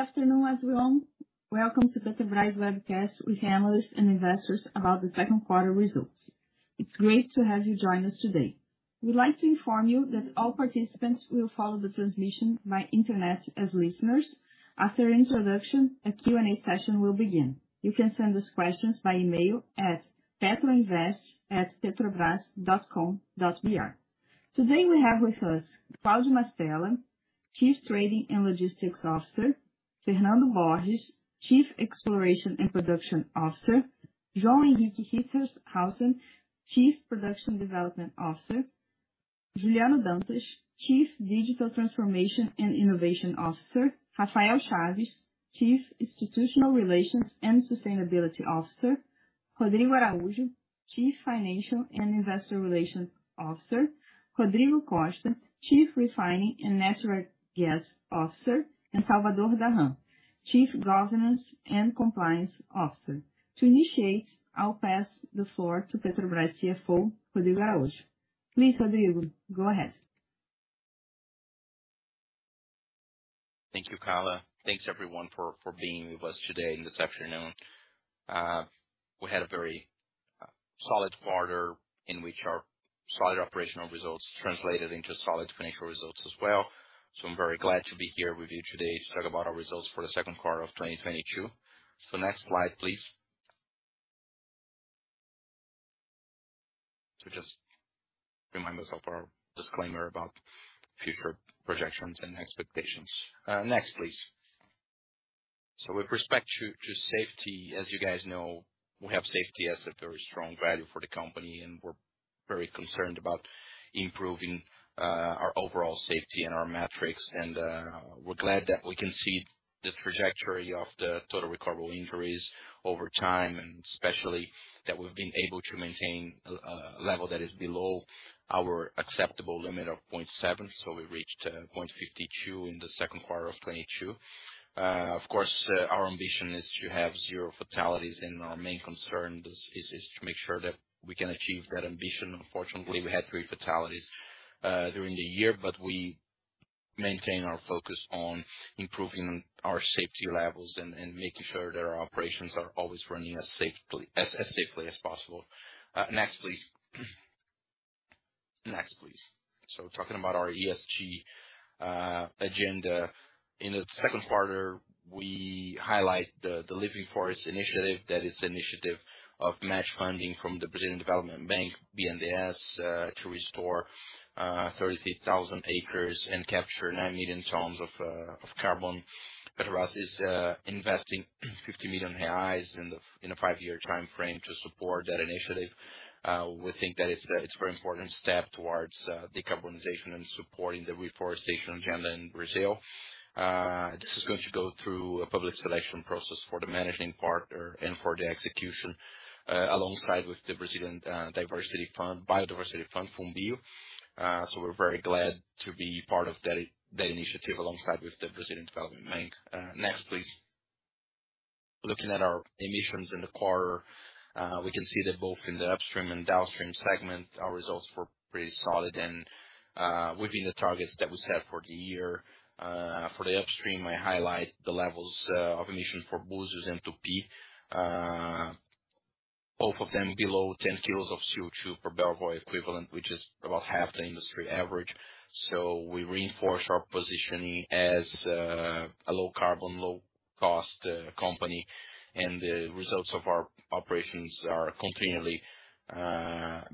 Afternoon, everyone. Welcome to Petrobras webcast with analysts and investors about the second quarter results. It's great to have you join us today. We'd like to inform you that all participants will follow the transmission by internet as listeners. After introduction, a Q&A session will begin. You can send us questions by email at petroinvest@petrobras.com.br. Today, we have with us Cláudio Mastella, Chief Trading and Logistics Officer, Fernando Borges, Chief Exploration and Production Officer, João Henrique Rittershaussen, Chief Production Development Officer, Juliano Dantas, Chief Digital Transformation and Innovation Officer, Rafael Chaves, Chief Institutional Relations and Sustainability Officer, Rodrigo Araujo, Chief Financial and Investor Relations Officer, Rodrigo Costa, Chief Refining and Natural Gas Officer, and Salvador Dahan, Chief Governance and Compliance Officer. To initiate, I'll pass the floor to Petrobras CFO, Rodrigo Araujo. Please, Rodrigo, go ahead. Thank you, Carla. Thanks everyone for being with us today this afternoon. We had a very solid quarter in which our solid operational results translated into solid financial results as well. I'm very glad to be here with you today to talk about our results for the second quarter of 2022. Next slide, please. To just remind ourselves of our disclaimer about future projections and expectations. Next, please. With respect to safety, as you guys know, we have safety as a very strong value for the company, and we're very concerned about improving our overall safety and our metrics. We're glad that we can see the trajectory of the total recordable injuries over time, and especially that we've been able to maintain a level that is below our acceptable limit of 0.7. We reached 0.52 in the second quarter of 2022. Of course, our ambition is to have zero fatalities, and our main concern is to make sure that we can achieve that ambition. Unfortunately, we had three fatalities during the year, but we maintain our focus on improving our safety levels and making sure that our operations are always running as safely as possible. Next, please. Next, please. Talking about our ESG agenda. In the second quarter, we highlight the Floresta Viva initiative. That is initiative of match funding from the Brazilian Development Bank, BNDES, to restore 33,000 acres and capture 9 million tons of carbon. Petrobras is investing 50 million reais in a five-year timeframe to support that initiative. We think that it's a very important step towards decarbonization and supporting the reforestation agenda in Brazil. This is going to go through a public selection process for the managing partner and for the execution alongside with the Brazilian biodiversity fund, FUNBIO. We're very glad to be part of that initiative alongside with the Brazilian Development Bank. Next, please. Looking at our emissions in the quarter, we can see that both in the upstream and downstream segment, our results were pretty solid and within the targets that we set for the year. For the upstream, I highlight the levels of emission for Búzios and Tupi. Both of them below 10 kg of CO2 per barrel oil equivalent, which is about half the industry average. We reinforce our positioning as a low carbon, low cost company. The results of our operations are continually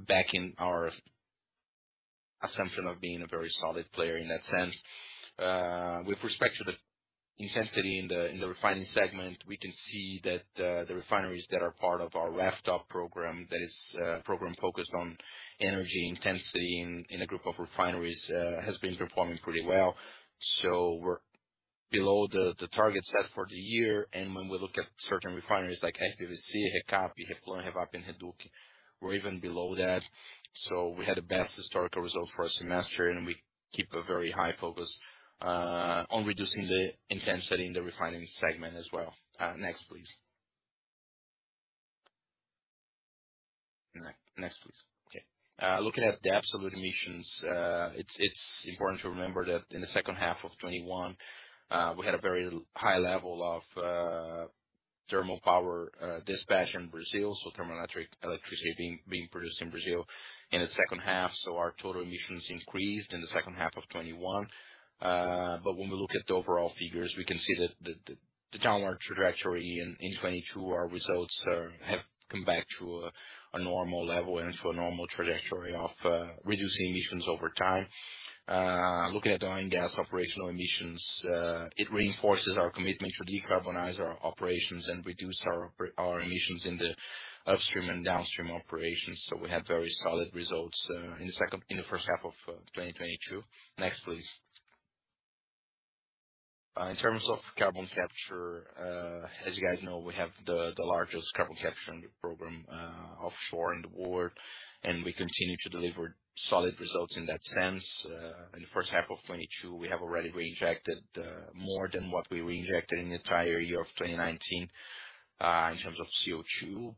backing our assumption of being a very solid player in that sense. With respect to the intensity in the refining segment, we can see that the refineries that are part of our RefTOP program, that is a program focused on energy intensity in a group of refineries, have been performing pretty well. We're below the target set for the year. When we look at certain refineries like RPBC, REPAR, RLAM, REVAP and REDUC, we're even below that. We had the best historical result for a semester, and we keep a very high focus on reducing the intensity in the refining segment as well. Next, please. Next, please. Okay. Looking at the absolute emissions, it's important to remember that in the second half of 2021, we had a very high level of thermal power dispatch in Brazil, so thermal electricity being produced in Brazil in the second half. Our total emissions increased in the second half of 2021. When we look at the overall figures, we can see that the downward trajectory in 2022, our results have come back to a normal level and to a normal trajectory of reducing emissions over time. Looking at the oil and gas operational emissions, it reinforces our commitment to decarbonize our operations and reduce our emissions in the upstream and downstream operations. We had very solid results in the first half of 2022. Next, please. In terms of carbon capture, as you guys know, we have the largest carbon capture program offshore in the world, and we continue to deliver solid results in that sense. In the first half of 2022, we have already reinjected more than what we reinjected in the entire year of 2019. In terms of CO2,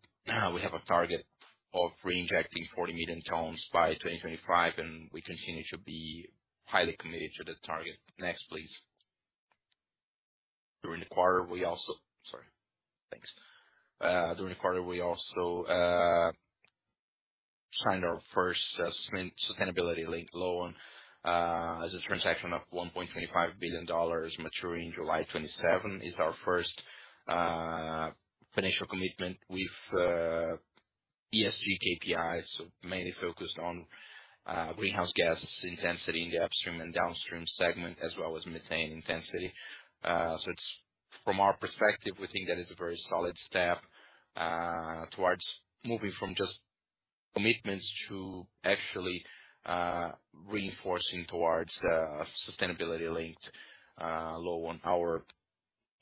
we have a target of reinjecting 40 million tons by 2025, and we continue to be highly committed to that target. Next, please. During the quarter, we also signed our first sustainability-linked loan as a transaction of $1.25 billion maturing July 2027. It's our first financial commitment with ESG KPIs, so mainly focused on greenhouse gas intensity in the upstream and downstream segment, as well as methane intensity. From our perspective, we think that is a very solid step towards moving from just commitments to actually reinforcing towards sustainability-linked loan our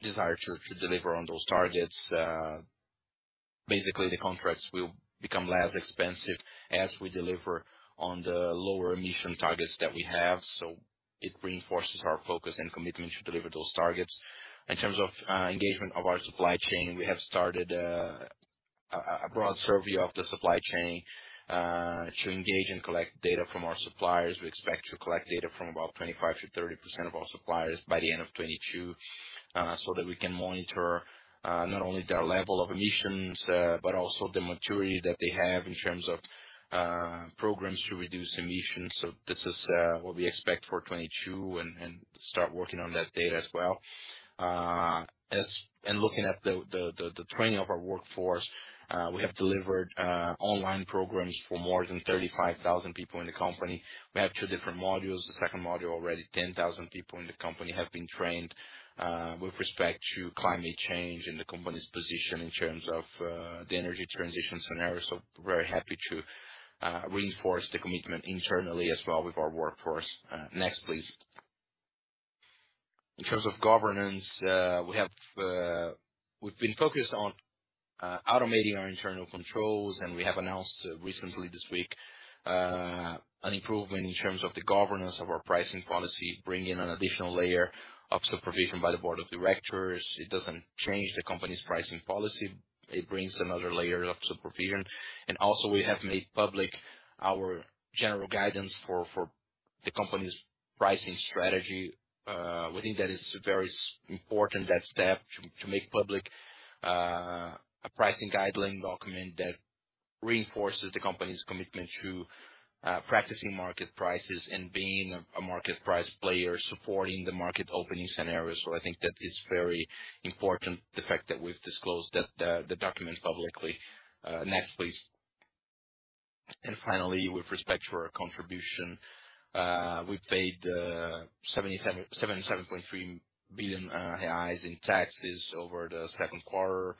desire to deliver on those targets. Basically, the contracts will become less expensive as we deliver on the lower emission targets that we have. It reinforces our focus and commitment to deliver those targets. In terms of engagement of our supply chain, we have started a broad survey of the supply chain to engage and collect data from our suppliers. We expect to collect data from about 25%-30% of our suppliers by the end of 2022, so that we can monitor not only their level of emissions, but also the maturity that they have in terms of programs to reduce emissions. This is what we expect for 2022 and start working on that data as well. Looking at the training of our workforce, we have delivered online programs for more than 35,000 people in the company. We have two different modules. The second module, already 10,000 people in the company have been trained with respect to climate change and the company's position in terms of the energy transition scenario. Very happy to reinforce the commitment internally as well with our workforce. Next, please. In terms of governance, we've been focused on automating our internal controls, and we have announced recently this week an improvement in terms of the governance of our pricing policy, bringing an additional layer of supervision by the board of directors. It doesn't change the company's pricing policy. It brings another layer of supervision. Also, we have made public our general guidance for the company's pricing strategy. We think that is very important, that step, to make public a pricing guideline document that reinforces the company's commitment to practicing market prices and being a market price player, supporting the market opening scenarios. I think that is very important, the fact that we've disclosed that, the document publicly. Next, please. Finally, with respect to our contribution, we paid 77.3 billion in taxes over the second quarter.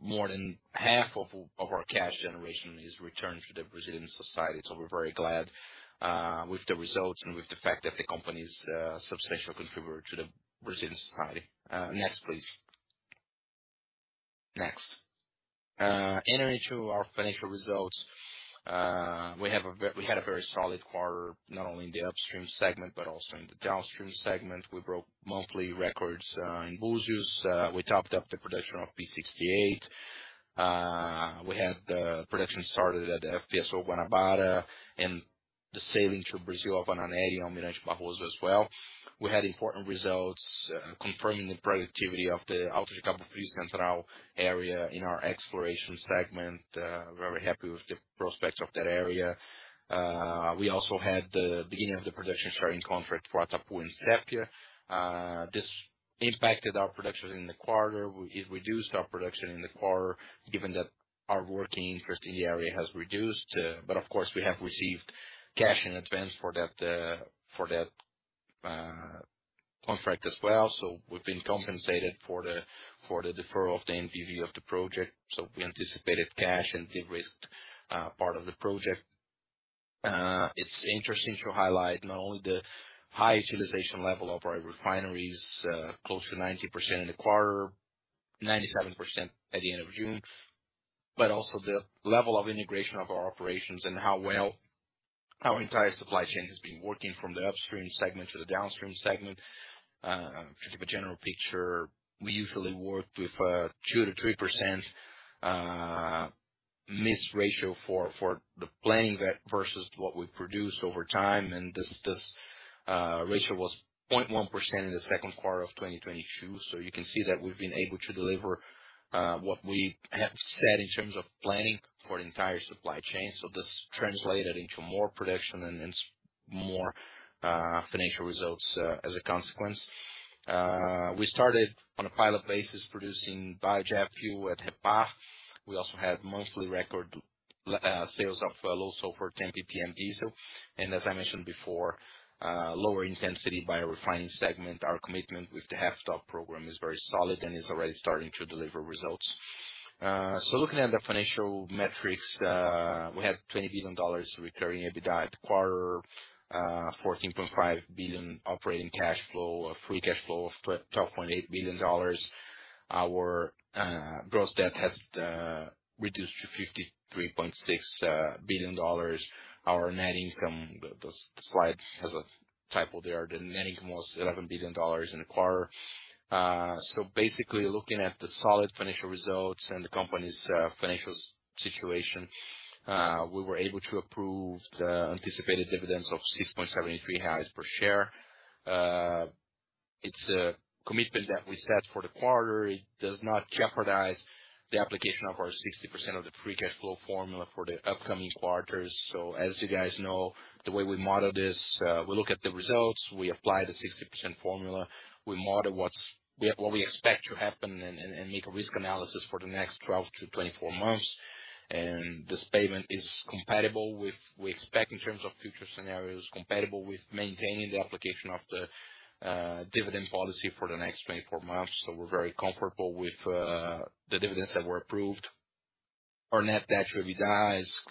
More than half of our cash generation is returned to the Brazilian society, so we're very glad with the results and with the fact that the company's substantial contributor to the Brazilian society. Next, please. Next. Entering into our financial results, we had a very solid quarter, not only in the upstream segment, but also in the downstream segment. We broke monthly records in Búzios. We topped up the production of P-68. We had production started at FPSO Guanabara and the sailing to Brazil of Anita Garibaldi as well. We had important results confirming the productivity of the Alter de Cabo Frio Central area in our exploration segment. Very happy with the prospects of that area. We also had the beginning of the production sharing contract for Atapu and Sépia. This impacted our production in the quarter. It reduced our production in the quarter given that our working interest in the area has reduced. Of course, we have received cash in advance for that contract as well. We've been compensated for the deferral of the NPV of the project. We anticipated cash and derisked part of the project. It's interesting to highlight not only the high utilization level of our refineries close to 90% in the quarter, 97% at the end of June, but also the level of integration of our operations and how well our entire supply chain has been working from the upstream segment to the downstream segment. To give a general picture, we usually work with 2%-3% miss ratio for the planning versus what we produce over time. This ratio was 0.1% in the second quarter of 2022. You can see that we've been able to deliver what we have said in terms of planning for the entire supply chain. This translated into more production and more financial results as a consequence. We started on a pilot basis producing Biojet Fuel at REPAR. We also had monthly record sales of low sulfur 10 PPM diesel. As I mentioned before, lower intensity by our refining segment. Our commitment with the RefTOP program is very solid and is already starting to deliver results. Looking at the financial metrics, we had $20 billion recurring EBITDA for the quarter, $14.5 billion operating cash flow, a free cash flow of $12.8 billion. Our gross debt has reduced to $53.6 billion. Our net income, the slide has a typo there. The net income was $11 billion in the quarter. Basically looking at the solid financial results and the company's financial situation, we were able to approve the anticipated dividends of 6.73 reais per share. It's a commitment that we set for the quarter. It does not jeopardize the application of our 60% of the free cash flow formula for the upcoming quarters. As you guys know, the way we model this, we look at the results, we apply the 60% formula, we model what we expect to happen and make a risk analysis for the next 12-24 months. This payment is compatible with we expect in terms of future scenarios, compatible with maintaining the application of the dividend policy for the next 24 months. We're very comfortable with the dividends that were approved. Our net debt EBITDA is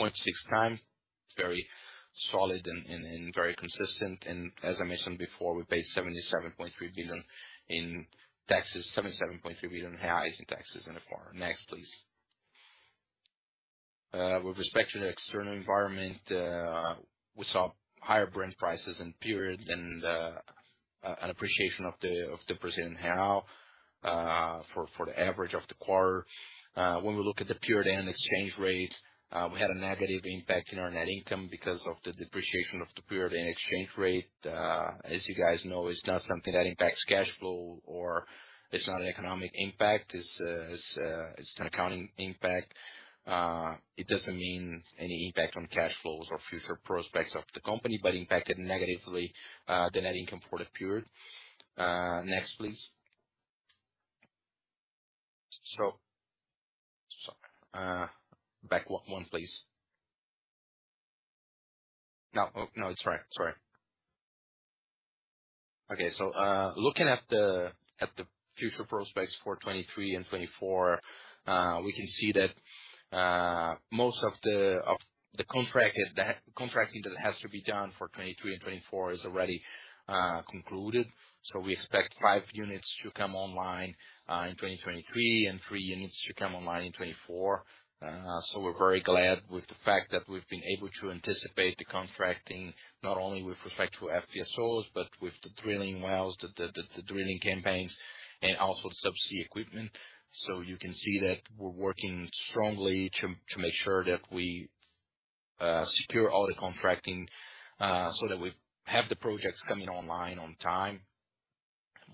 0.6x. It's very solid and very consistent. As I mentioned before, we paid 77.3 billion in taxes, 77.3 billion in taxes in the quarter. Next, please. With respect to the external environment, we saw higher Brent prices in the period and an appreciation of the Brazilian real for the average of the quarter. When we look at the period end exchange rate, we had a negative impact in our net income because of the depreciation of the period end exchange rate. As you guys know, it's not something that impacts cash flow or it's not an economic impact. It's an accounting impact. It doesn't mean any impact on cash flows or future prospects of the company, but impacted negatively the net income for the period. Next, please. Back one please. No. It's right. It's all right. Okay. Looking at the future prospects for 2023 and 2024, we can see that most of the contracting that has to be done for 2023 and 2024 is already concluded. We expect five units to come online in 2023 and three units to come online in 2024. We're very glad with the fact that we've been able to anticipate the contracting not only with respect to FPSOs, but with the drilling wells, the drilling campaigns and also the subsea equipment. You can see that we're working strongly to make sure that we secure all the contracting, so that we have the projects coming online on time.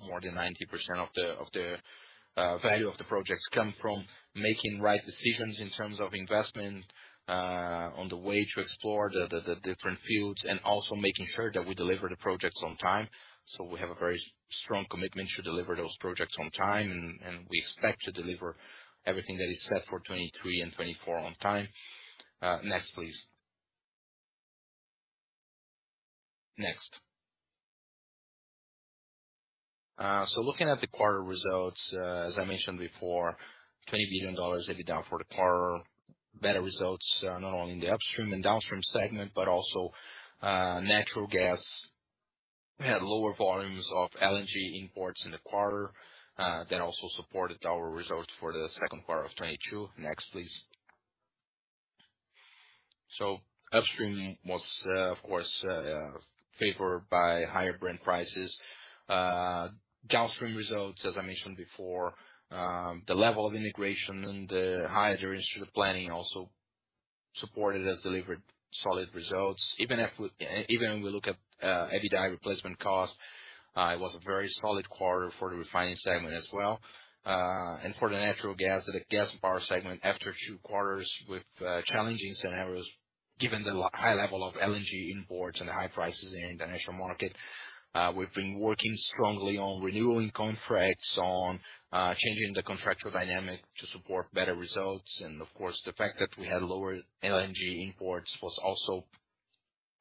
More than 90% of the value of the projects come from making right decisions in terms of investment on the way to explore the different fields, and also making sure that we deliver the projects on time. We have a very strong commitment to deliver those projects on time and we expect to deliver everything that is set for 2023 and 2024 on time. Next please. Next. Looking at the quarter results, as I mentioned before, $20 billion EBITDA for the quarter. Better results, not only in the upstream and downstream segment, but also natural gas. We had lower volumes of LNG imports in the quarter that also supported our results for the second quarter of 2022. Next, please. Upstream was, of course, favored by higher Brent prices. Downstream results, as I mentioned before, the level of integration and the higher integrated planning also supported us, delivered solid results. Even when we look at EBITDA replacement cost, it was a very solid quarter for the refining segment as well. For the natural gas, the gas power segment after two quarters with challenging scenarios, given the high level of LNG imports and the high prices in the international market, we've been working strongly on renewing contracts, on changing the contractual dynamic to support better results. Of course, the fact that we had lower LNG imports was also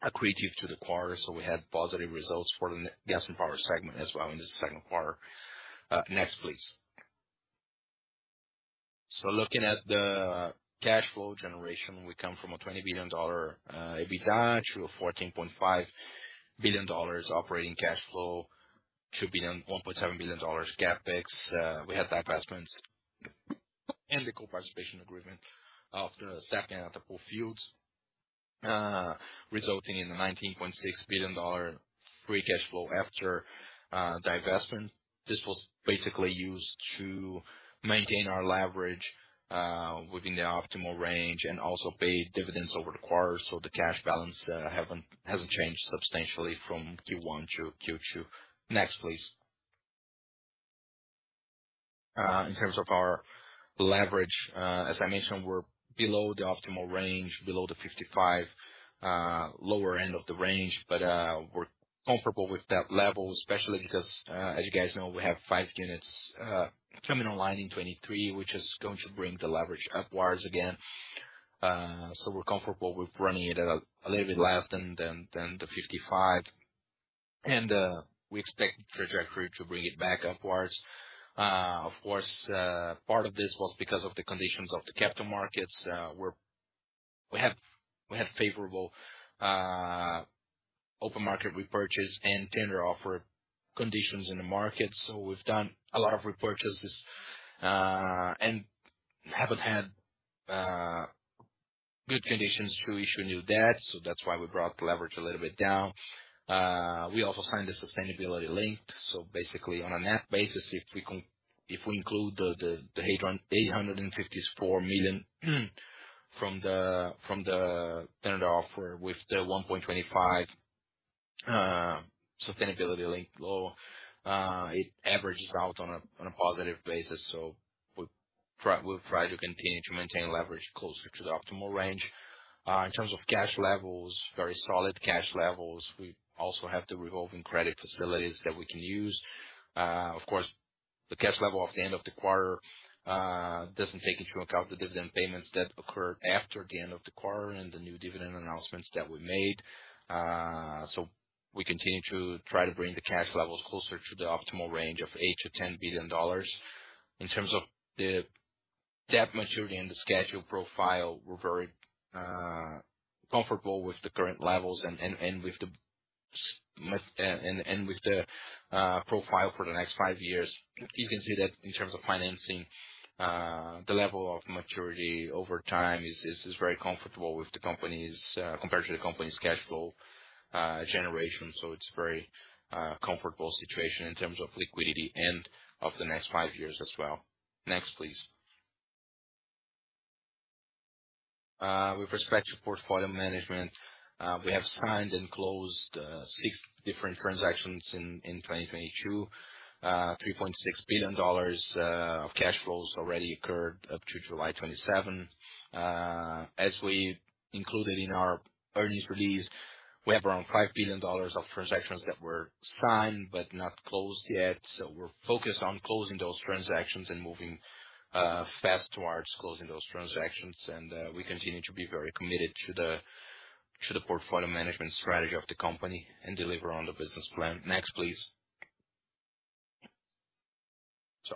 accretive to the quarter. We had positive results for the gas and power segment as well in the second quarter. Next please. Looking at the cash flow generation, we come from a $20 billion EBITDA through a $14.5 billion operating cash flow, $2 billion, $1.7 billion CapEx. We had divestments and the Co-participation Agreement after the second at the pre-salt fields, resulting in a $19.6 billion free cash flow after divestment. This was basically used to maintain our leverage within the optimal range and also pay dividends over the quarter. The cash balance hasn't changed substantially from Q1 to Q2. Next, please. In terms of our leverage, as I mentioned, we're below the optimal range, below the 55, lower end of the range. We're comfortable with that level especially because, as you guys know, we have five units coming online in 2023, which is going to bring the leverage upwards again. We're comfortable with running it at a little bit less than the 55. We expect the trajectory to bring it back upwards. Of course, part of this was because of the conditions of the capital markets. We have favorable open market repurchase and tender offer conditions in the market. We've done a lot of repurchases and haven't had good conditions to issue new debt, so that's why we brought the leverage a little bit down. We also signed the sustainability-linked loan. Basically on a net basis, if we include the $854 million from the tender offer with the $1.25 billion sustainability-linked loan, it averages out on a positive basis. We'll try to continue to maintain leverage closer to the optimal range. In terms of cash levels, very solid cash levels. We also have the revolving credit facilities that we can use. Of course, the cash level at the end of the quarter doesn't take into account the dividend payments that occurred after the end of the quarter and the new dividend announcements that we made. We continue to try to bring the cash levels closer to the optimal range of $8 billion-$10 billion. In terms of the debt maturity and the schedule profile, we're very comfortable with the current levels and with the profile for the next five years. You can see that in terms of financing, the level of maturity over time is very comfortable compared to the company's cash flow generation. It's very comfortable situation in terms of liquidity and of the next five years as well. Next, please. With respect to portfolio management, we have signed and closed six different transactions in 2022. $3.6 billion of cash flows already occurred up to July 27. As we included in our earnings release, we have around $5 billion of transactions that were signed but not closed yet. We're focused on closing those transactions and moving fast towards closing those transactions. We continue to be very committed to the portfolio management strategy of the company and deliver on the business plan. Next, please.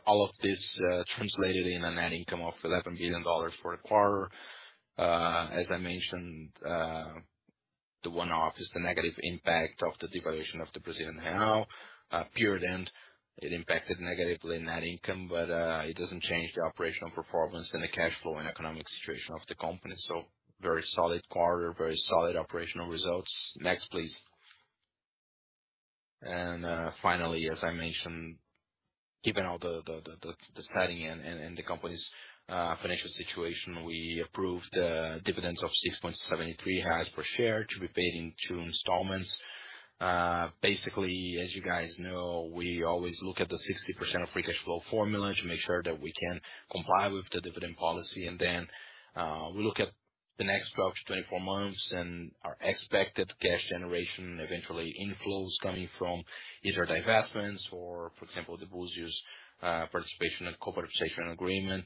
All of this translated in a net income of $11 billion for the quarter. As I mentioned, the one-off is the negative impact of the devaluation of the Brazilian real. At period end, it impacted negatively net income, but it doesn't change the operational performance and the cash flow and economic situation of the company. Very solid quarter, very solid operational results. Next, please. Finally, as I mentioned, given all the setting and the company's financial situation, we approved dividends of 6.73 per share to be paid in two installments. Basically, as you guys know, we always look at the 60% of free cash flow formula to make sure that we can comply with the dividend policy. We look at the next 12-24 months and our expected cash generation, eventually inflows coming from either divestments or, for example, the Búzios Co-Participation agreement.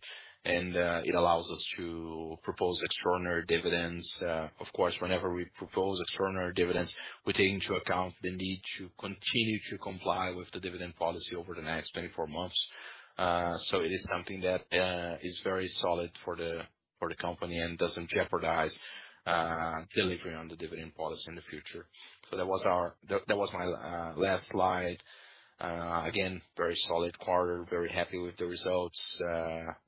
It allows us to propose extraordinary dividends. Of course, whenever we propose extraordinary dividends, we take into account the need to continue to comply with the dividend policy over the next 24 months. It is something that is very solid for the company and doesn't jeopardize delivery on the dividend policy in the future. That was my last slide. Again, very solid quarter, very happy with the results.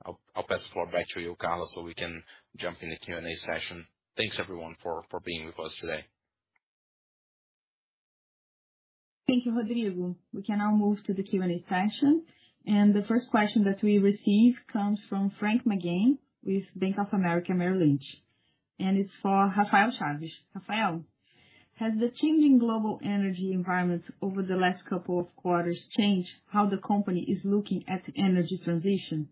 I'll pass the floor back to you, Carla, so we can jump in the Q&A session. Thanks everyone for being with us today. Thank you, Rodrigo. We can now move to the Q&A session. The first question that we received comes from Frank McGann with Bank of America Merrill Lynch, and it's for Rafael Chaves. Rafael, has the changing global energy environment over the last couple of quarters changed how the company is looking at energy transition?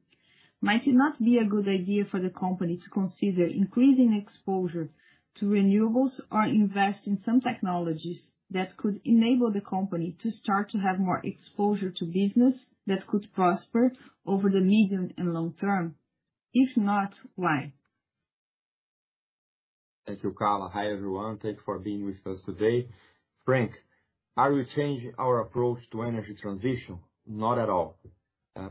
Might it not be a good idea for the company to consider increasing exposure to renewables or invest in some technologies that could enable the company to start to have more exposure to business that could prosper over the medium and long term? If not, why? Thank you, Carla. Hi, everyone. Thank you for being with us today. Frank, are we changing our approach to energy transition? Not at all.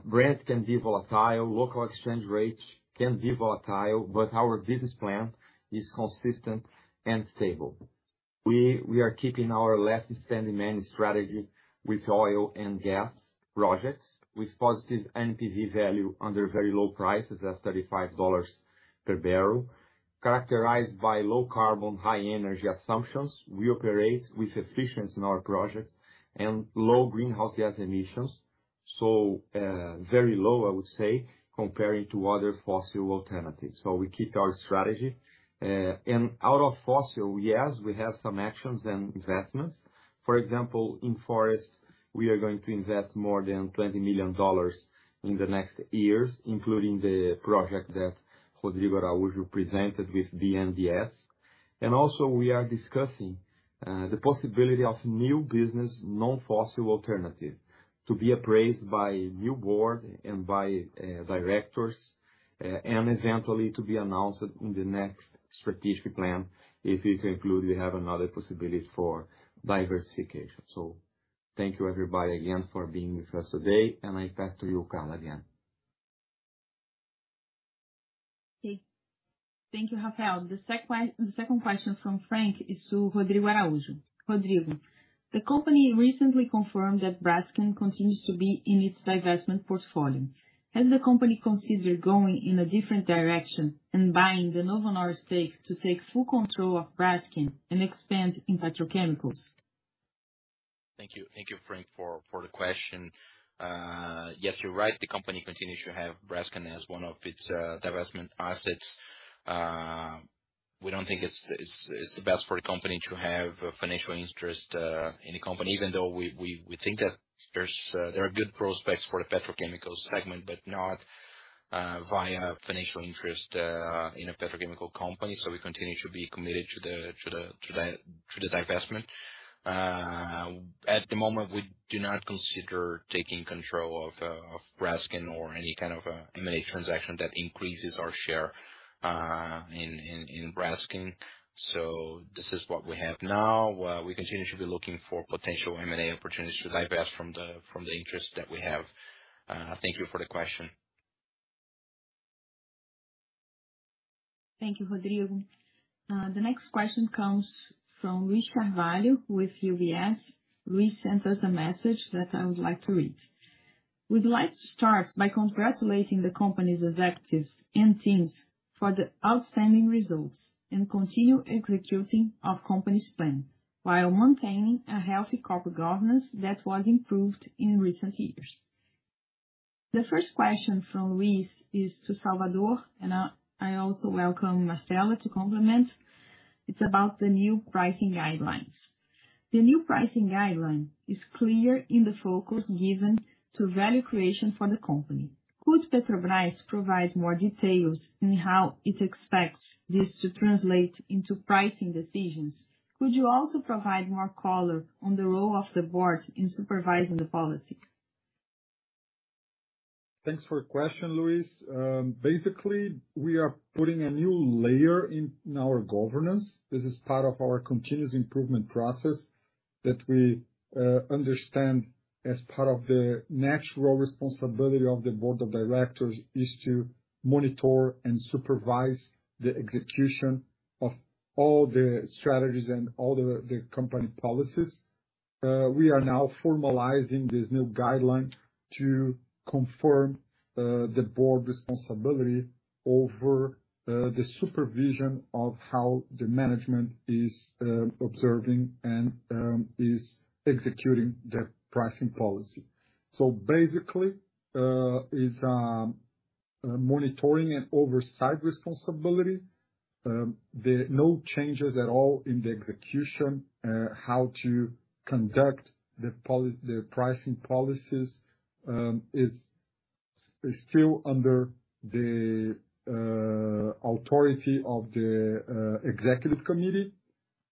Brent can be volatile, local exchange rates can be volatile, but our business plan is consistent and stable. We are keeping our low spend money strategy with oil and gas projects with positive NPV value under very low prices, that's $35 per barrel. Characterized by low carbon, high energy assumptions, we operate with efficiency in our projects and low greenhouse gas emissions. Very low, I would say, comparing to other fossil alternatives. We keep our strategy. Out of fossil, yes, we have some actions and investments. For example, in forest, we are going to invest more than $20 million in the next years, including the project that Rodrigo Araujo presented with BNDES. We are discussing the possibility of new business, non-fossil alternative to be appraised by new board and by directors, and eventually to be announced in the next strategic plan, if it include, we have another possibility for diversification. Thank you everybody again for being with us today, and I pass to you, Carla, again. Thank you, Rafael. The second question from Frank is to Rodrigo Araujo. Rodrigo, the company recently confirmed that Braskem continues to be in its divestment portfolio. Has the company considered going in a different direction and buying the Novonor stake to take full control of Braskem and expand in petrochemicals? Thank you. Thank you, Frank, for the question. Yes, you're right. The company continues to have Braskem as one of its divestment assets. We don't think it's the best for the company to have a financial interest in the company, even though we think that there are good prospects for the petrochemical segment, but not via financial interest in a petrochemical company. We continue to be committed to the divestment. At the moment, we do not consider taking control of Braskem or any kind of M&A transaction that increases our share in Braskem. This is what we have now. We continue to be looking for potential M&A opportunities to divest from the interest that we have. Thank you for the question. Thank you, Rodrigo. The next question comes from Luiz Carvalho with UBS. Luiz sends us a message that I would like to read. We'd like to start by congratulating the company's executives and teams for the outstanding results and continued executing of company's plan while maintaining a healthy corporate governance that was improved in recent years. The first question from Luiz is to Salvador, and I also welcome Mastella to complement. It's about the new pricing guidelines. The new pricing guideline is clear in the focus given to value creation for the company. Could Petrobras provide more details in how it expects this to translate into pricing decisions? Could you also provide more color on the role of the board in supervising the policy? Thanks for your question, Luiz. Basically, we are putting a new layer in our governance. This is part of our continuous improvement process that we understand as part of the natural responsibility of the board of directors is to monitor and supervise the execution of all the strategies and all the company policies. We are now formalizing this new guideline to confirm the board responsibility over the supervision of how the management is observing and is executing the pricing policy. Basically, monitoring and oversight responsibility. There are no changes at all in the execution. How to conduct the pricing policies is still under the authority of the executive committee.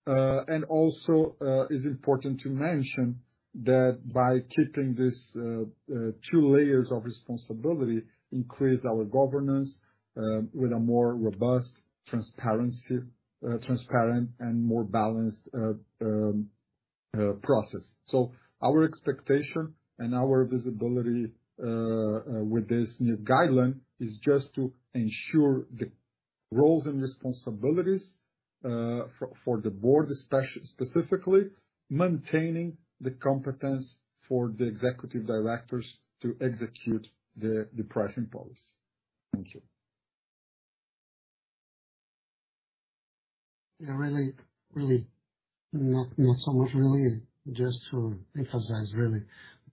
It is important to mention that by keeping these two layers of responsibility increase our governance with a more robust, transparent, and more balanced process. Our expectation and our visibility with this new guideline is just to ensure the roles and responsibilities for the board, especially, specifically maintaining the competence for the executive directors to execute the pricing policy. Thank you. Yeah, really not so much really just to emphasize really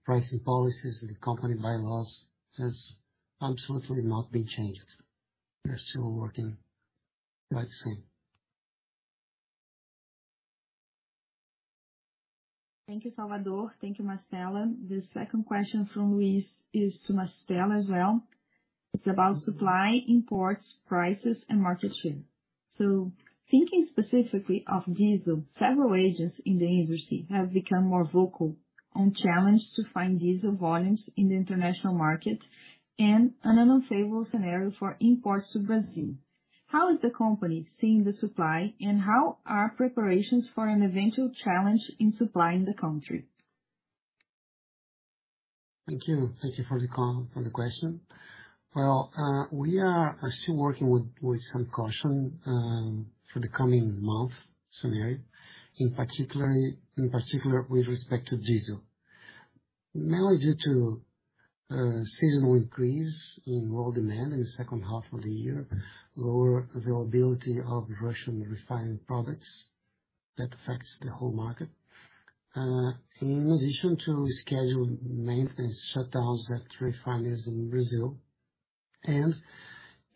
pricing policies and company bylaws has absolutely not been changed. They're still working quite the same. Thank you, Salvador. Thank you, Mastella. The second question from Luiz is to Mastella as well. It's about supply, imports, prices, and market share. Thinking specifically of diesel, several agents in the industry have become more vocal on challenge to find diesel volumes in the international market and an unfavorable scenario for imports to Brazil. How is the company seeing the supply, and how are preparations for an eventual challenge in supplying the country? Thank you. Thank you for the call, for the question. Well, we are still working with some caution for the coming month scenario, in particular, with respect to diesel. Mainly due to seasonal increase in road demand in the second half of the year, lower availability of Russian refined products that affects the whole market. In addition to scheduled maintenance shutdowns at refineries in Brazil, and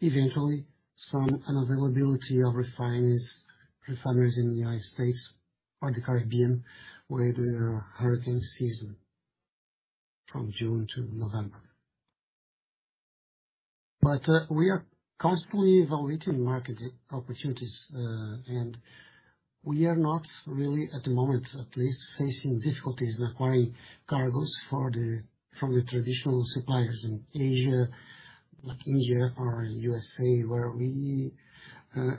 eventually some unavailability of refineries in the United States or the Caribbean, where there is hurricane season from June to November. We are constantly evaluating market opportunities, and we are not really, at the moment at least, facing difficulties in acquiring cargoes from the traditional suppliers in Asia, like India or USA, where we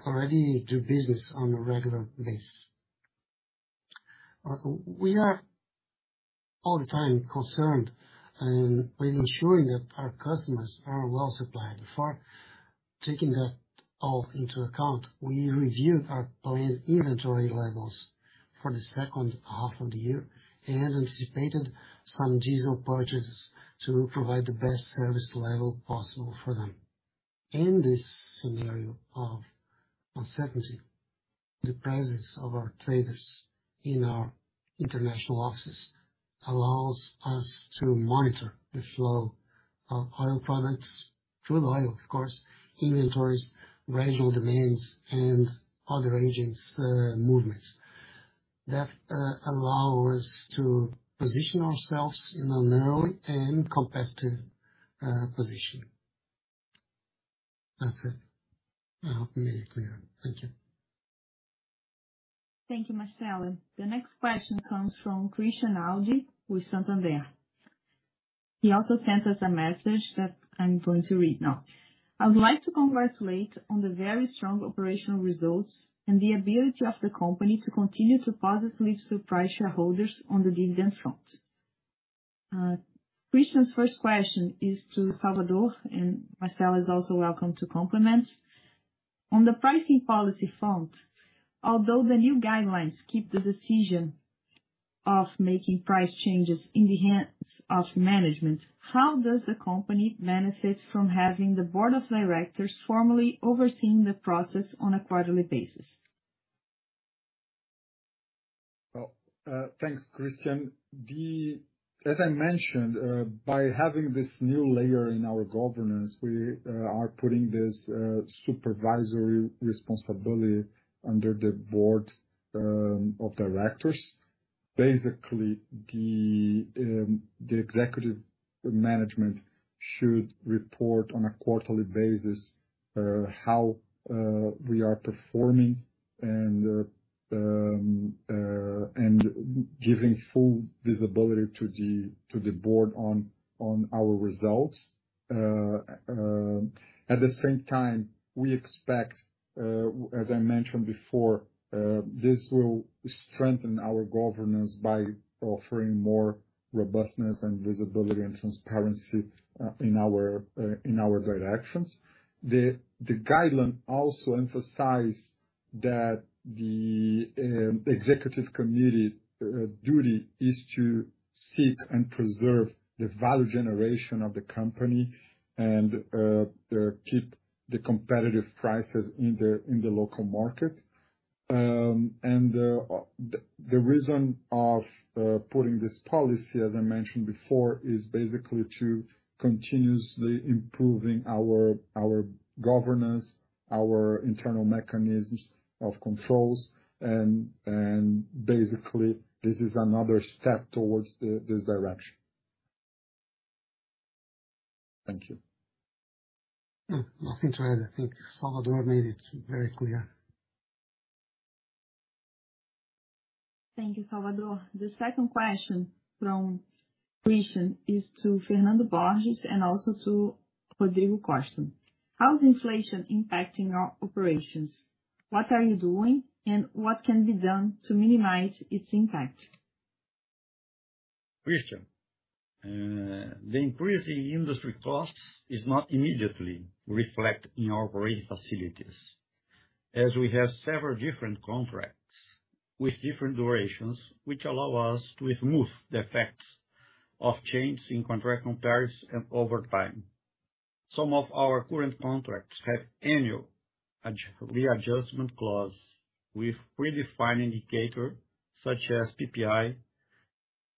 already do business on a regular basis. We are all the time concerned with ensuring that our customers are well supplied. For taking that all into account, we reviewed our planned inventory levels for the second half of the year and anticipated some diesel purchases to provide the best service level possible for them. In this scenario of uncertainty, the presence of our traders in our international offices allows us to monitor the flow of oil products, crude oil, of course, inventories, regional demands, and other agents, movements. That allow us to position ourselves in a narrow and competitive position. That's it. I hope I made it clear. Thank you. Thank you, Mastella. The next question comes from Christian Audi with Santander. He also sent us a message that I'm going to read now. I would like to congratulate on the very strong operational results and the ability of the company to continue to positively surprise shareholders on the dividend front. Christian's first question is to Salvador, and Mastella is also welcome to complement. On the pricing policy front, although the new guidelines keep the decision of making price changes in the hands of management, how does the company benefit from having the board of directors formally overseeing the process on a quarterly basis? Well, thanks, Christian. As I mentioned, by having this new layer in our governance, we are putting this supervisory responsibility under the board of directors. Basically, the executive management should report on a quarterly basis how we are performing and giving full visibility to the board on our results. At the same time, we expect, as I mentioned before, this will strengthen our governance by offering more robustness and visibility and transparency in our directions. The guideline also emphasize that the executive committee duty is to seek and preserve the value generation of the company and keep the competitive prices in the local market. The reason for putting this policy, as I mentioned before, is basically to continuously improving our governance, our internal mechanisms of controls and basically, this is another step towards this direction. Thank you. Nothing to add. I think Salvador made it very clear. Thank you, Salvador. The second question from Christian is to Fernando Borges and also to Rodrigo Costa. How is inflation impacting your operations? What are you doing and what can be done to minimize its impact? Christian, the increase in industry costs is not immediately reflected in our operating facilities, as we have several different contracts with different durations, which allow us to smooth the effects of changes in contract prices and over time. Some of our current contracts have annual readjustment clauses with predefined indicators such as PPI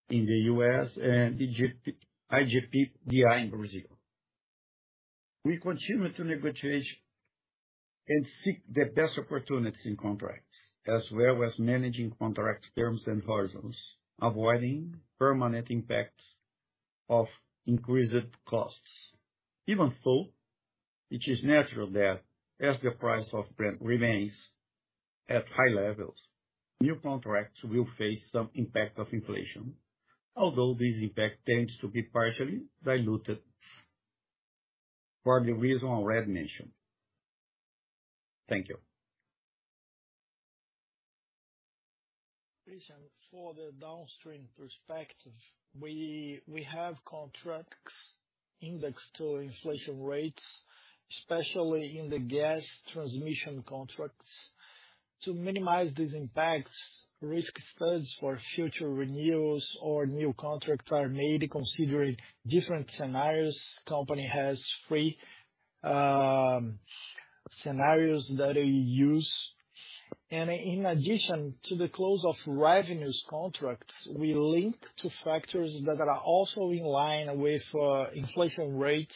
in the U.S. and IGP-DI in Brazil. We continue to negotiate and seek the best opportunities in contracts, as well as managing contract terms and horizons, avoiding permanent impacts of increased costs. Even so, it is natural that as the price of Brent remains at high levels, new contracts will face some impact of inflation. Although this impact tends to be partially diluted for the reason already mentioned. Thank you. Christian, for the downstream perspective, we have contracts indexed to inflation rates, especially in the gas transmission contracts. To minimize these impacts, risk studies for future renewals or new contract are made considering different scenarios. Company has three scenarios that we use. In addition to the costs of revenue contracts, we link to factors that are also in line with inflation rates,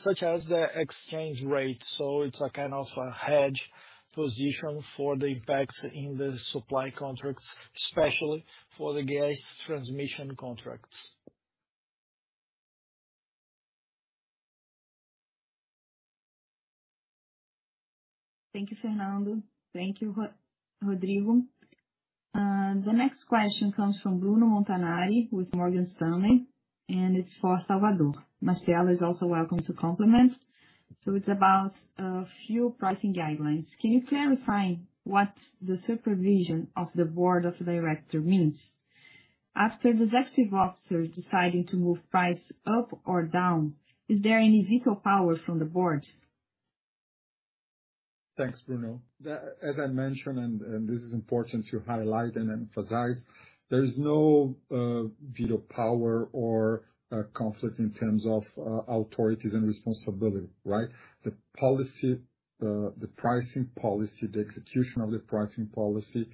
such as the exchange rate. It's a kind of a hedge position for the impacts in the supply contracts, especially for the gas transmission contracts. Thank you, Fernando. Thank you, Rodrigo. The next question comes from Bruno Montanari with Morgan Stanley, and it's for Salvador. Mastella is also welcome to comment. It's about a few pricing guidelines. Can you clarify what the supervision of the board of directors means? After the executive officer deciding to move price up or down, is there any veto power from the board? Thanks, Bruno. The, as I mentioned, and this is important to highlight and emphasize, there is no veto power or conflict in terms of authority and responsibility, right? The policy, the pricing policy, the execution of the pricing policy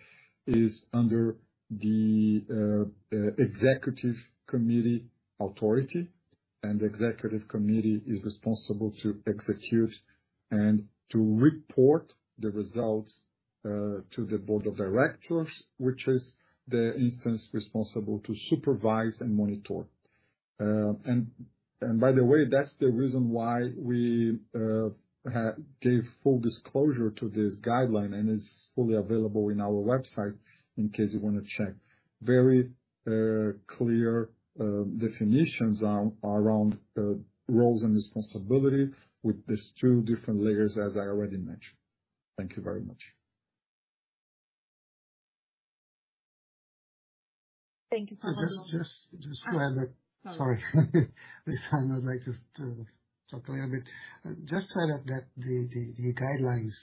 is under the executive committee authority. The executive committee is responsible to execute and to report the results to the board of directors, which is the instance responsible to supervise and monitor. By the way, that's the reason why we gave full disclosure to this guideline, and it's fully available in our website in case you wanna check. Very clear definitions around roles and responsibility with these two different layers, as I already mentioned. Thank you very much. Thank you, Salvador. Just to add that. Sorry. This time I'd like to talk a little bit. Just to add up that the guidelines,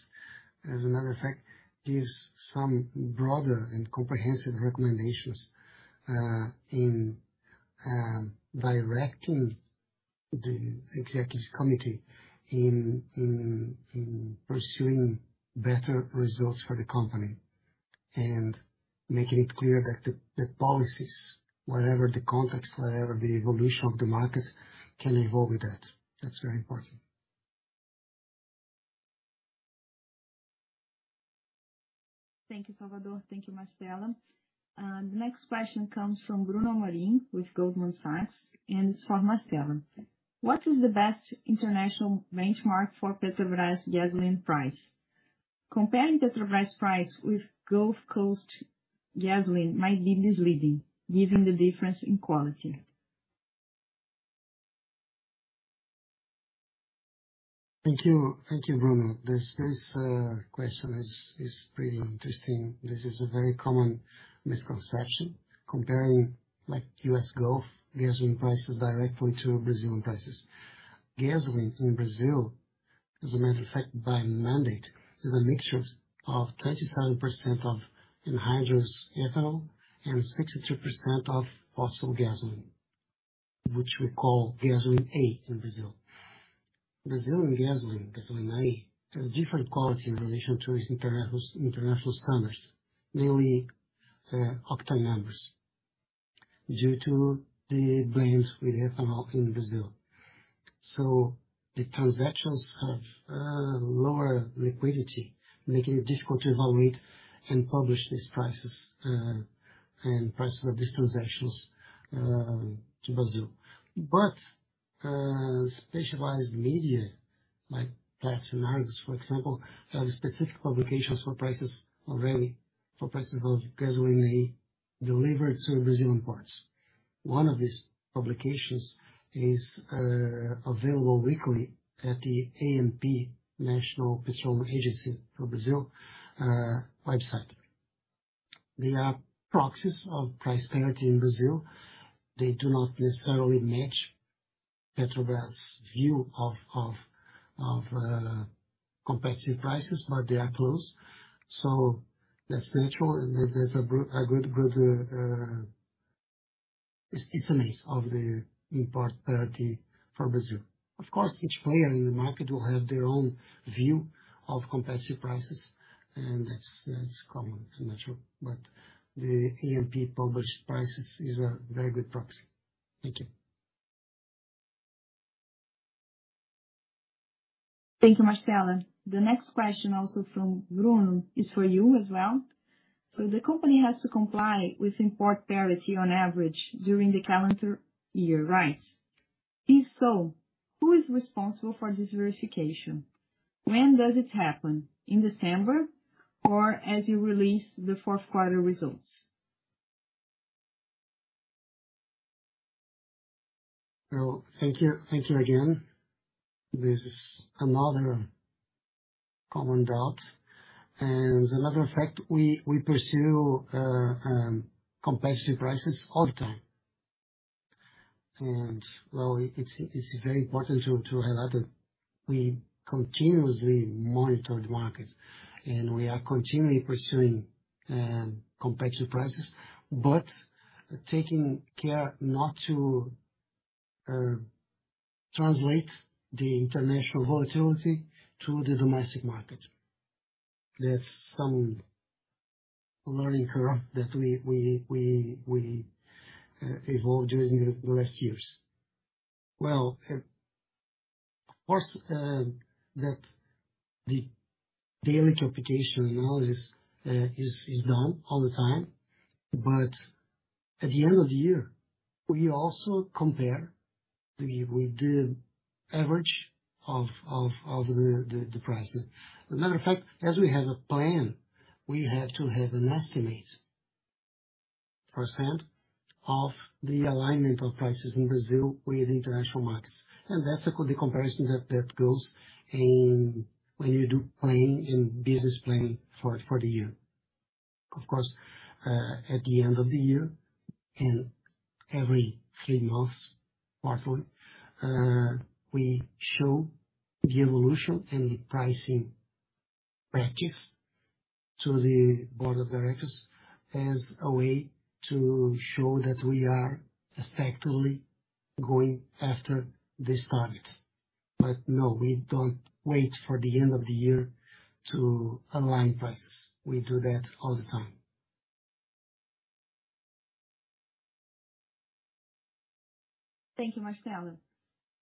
as a matter of fact, gives some broader and comprehensive recommendations in directing the executive committee in pursuing better results for the company and making it clear that the policies, whatever the context, whatever the evolution of the market, can evolve with that. That's very important. Thank you, Salvador. Thank you, Mastella. The next question comes from Bruno Amorim with Goldman Sachs, and it's for Mastella. What is the best international benchmark for Petrobras gasoline price? Comparing Petrobras price with Gulf Coast Gasoline might be misleading given the difference in quality. Thank you. Thank you, Bruno. This question is pretty interesting. This is a very common misconception, comparing like U.S. Gulf gasoline prices directly to Brazilian prices. Gasoline in Brazil, as a matter of fact, by mandate, is a mixture of 37% of anhydrous ethanol and 63% of fossil gasoline, which we call Gasoline A in Brazil. Brazilian gasoline, Gasoline A, has different quality in relation to its international standards, mainly, octane numbers, due to the blends with ethanol in Brazil. So the transactions have lower liquidity, making it difficult to evaluate and publish these prices, and prices of these transactions, to Brazil. Specialized media, like Platts and Argus for example, have specific publications for prices of Gasoline A delivered to Brazilian ports. One of these publications is available weekly at the ANP, National Petroleum Agency for Brazil, website. They are proxies of price parity in Brazil. They do not necessarily match Petrobras' view of competitive prices, but they are close. That's natural, and there's a good build history of the import parity for Brazil. Of course, each player in the market will have their own view of competitive prices, and that's common. It's natural. The ANP published prices is a very good proxy. Thank you. Thank you, Mastella. The next question, also from Bruno, is for you as well. The company has to comply with import parity on average during the calendar year, right? If so, who is responsible for this verification? When does it happen? In December, or as you release the fourth quarter results? Well, thank you. Thank you again. This is another common doubt. Another fact, we pursue competitive prices all the time. Well, it's very important to highlight that we continuously monitor the market, and we are continually pursuing competitive prices, but taking care not to translate the international volatility to the domestic market. That's some learning curve that we evolved during the last years. Well, of course, that the daily computation analysis is done all the time, but at the end of the year, we also compare with the average of the prices. As a matter of fact, as we have a plan, we have to have an estimated percent of the alignment of prices in Brazil with international markets. That's the comparison that goes in when you do planning and business planning for the year. Of course, at the end of the year and every three months, quarterly, we show the evolution and the pricing practice to the board of directors as a way to show that we are effectively going after this target. No, we don't wait for the end of the year to align prices. We do that all the time. Thank you, Mastella.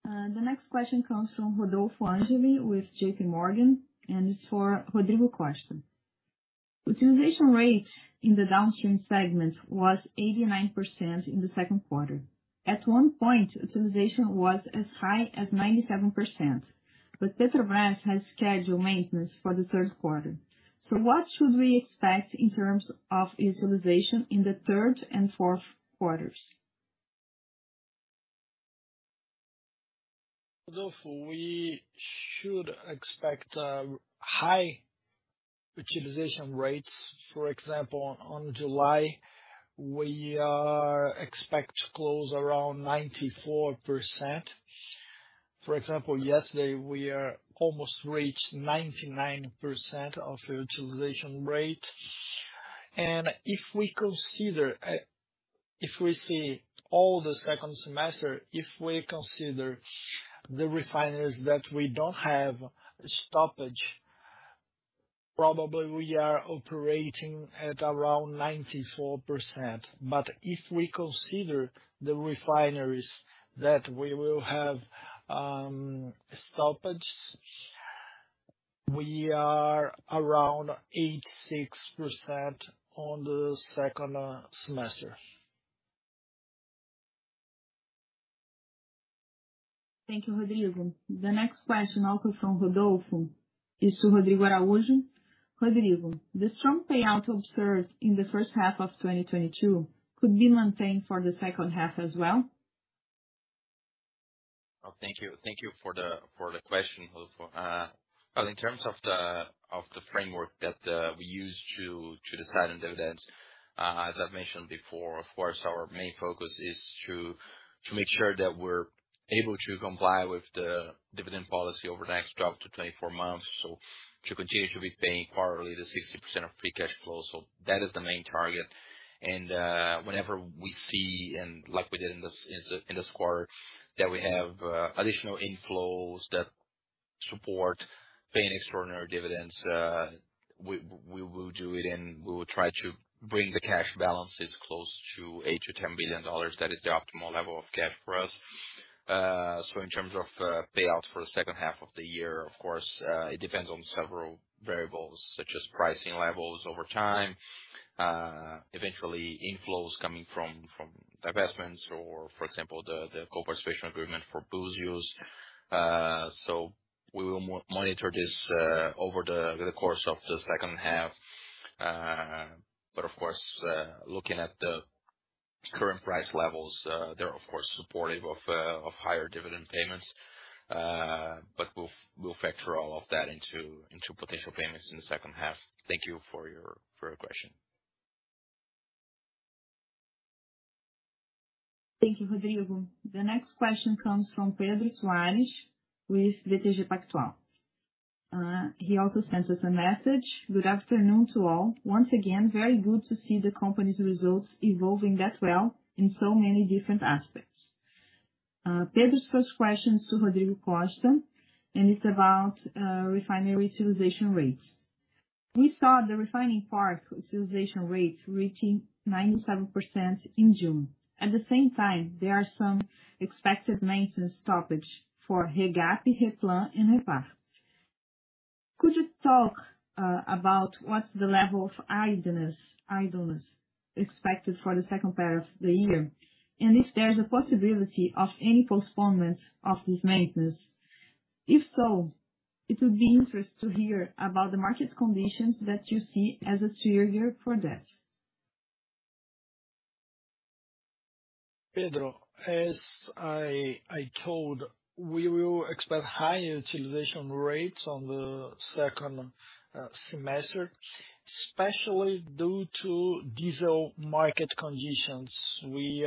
The next question comes from Rodolfo Angeli with JPMorgan, and it's for Rodrigo Costa. Utilization rates in the downstream segment was 89% in the second quarter. At one point, utilization was as high as 97%, but Petrobras has scheduled maintenance for the third quarter. What should we expect in terms of utilization in the third and fourth quarters? Rodolfo, we should expect high utilization rates. For example, on July, we expect to close around 94%. For example, yesterday, we almost reached 99% of utilization rate. If we consider, if we see all the second semester, if we consider the refineries that we don't have a stoppage, probably we are operating at around 94%. If we consider the refineries that we will have stoppages, we are around 86% on the second semester. Thank you, Rodrigo. The next question, also from Rodolfo, is to Rodrigo Araujo. Rodrigo, the strong payout observed in the first half of 2022 could be maintained for the second half as well? Oh, thank you. Thank you for the question, Rodolfo. Well, in terms of the framework that we use to decide on dividends, as I've mentioned before, of course, our main focus is to make sure that we're able to comply with the dividend policy over the next 12 to 24 months. To continue to be paying quarterly the 60% of free cash flow. That is the main target. Whenever we see, like we did in this quarter, that we have additional inflows that support paying extraordinary dividends, we will do it, and we will try to bring the cash balances close to $8 billion-$10 billion. That is the optimal level of cash for us. In terms of payouts for the second half of the year, of course, it depends on several variables such as pricing levels over time, eventually inflows coming from investments or, for example, the Co-participation Agreement for Búzios. We will monitor this over the course of the second half. Of course, looking at the current price levels, they're of course supportive of higher dividend payments. We'll factor all of that into potential payments in the second half. Thank you for your question. Thank you, Rodrigo. The next question comes from Pedro Soares with BTG Pactual. He also sends us a message. Good afternoon to all. Once again, very good to see the company's results evolving that well in so many different aspects. Pedro's first question is to Rodrigo Costa, and it's about refinery utilization rates. We saw the refinery utilization rates reaching 97% in June. At the same time, there are some expected maintenance stoppage for REVAP, REPLAN and REPAR. Could you talk about what's the level of idleness expected for the second half of the year, and if there's a possibility of any postponement of this maintenance? If so, it would be interesting to hear about the market conditions that you see as a trigger for that. Pedro, as I told, we will expect higher utilization rates in the second semester, especially due to diesel market conditions. We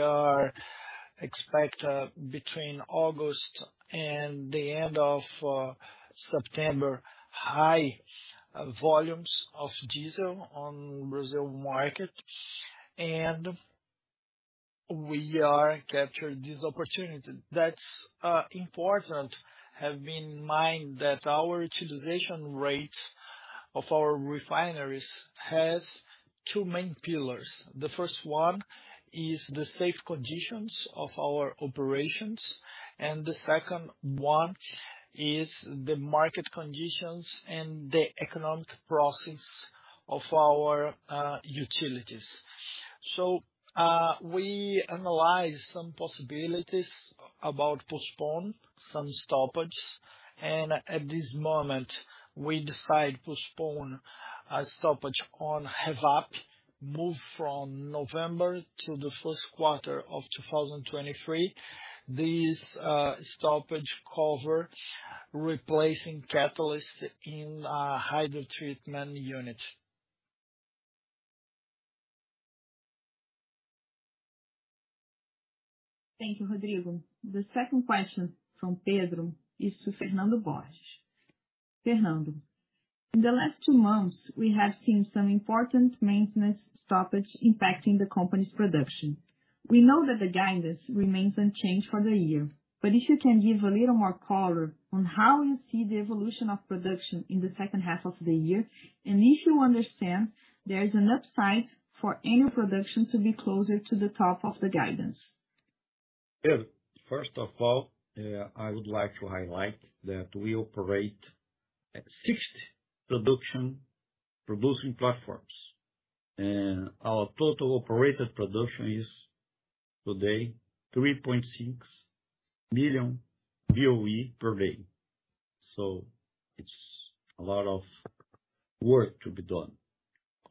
expect between August and the end of September high volumes of diesel on the Brazilian market, and we are capturing this opportunity. That's important to have in mind that our utilization rate of our refineries has two main pillars. The first one is the safety conditions of our operations, and the second one is the market conditions and the economic process of our units. We analyze some possibilities about postpone some stoppages, and at this moment, we decide postpone a stoppage on REVAP, move from November to the first quarter of 2023. This stoppage covers replacing catalysts in hydrotreatment units. Thank you, Rodrigo. The second question from Pedro is to Fernando Borges. Fernando, in the last two months, we have seen some important maintenance stoppage impacting the company's production. We know that the guidance remains unchanged for the year. If you can give a little more color on how you see the evolution of production in the second half of the year, and if you understand there is an upside for annual production to be closer to the top of the guidance. Yeah. First of all, I would like to highlight that we operate at 60 producing platforms. Our total operated production is today 3.6 million BOE per day. It's a lot of work to be done.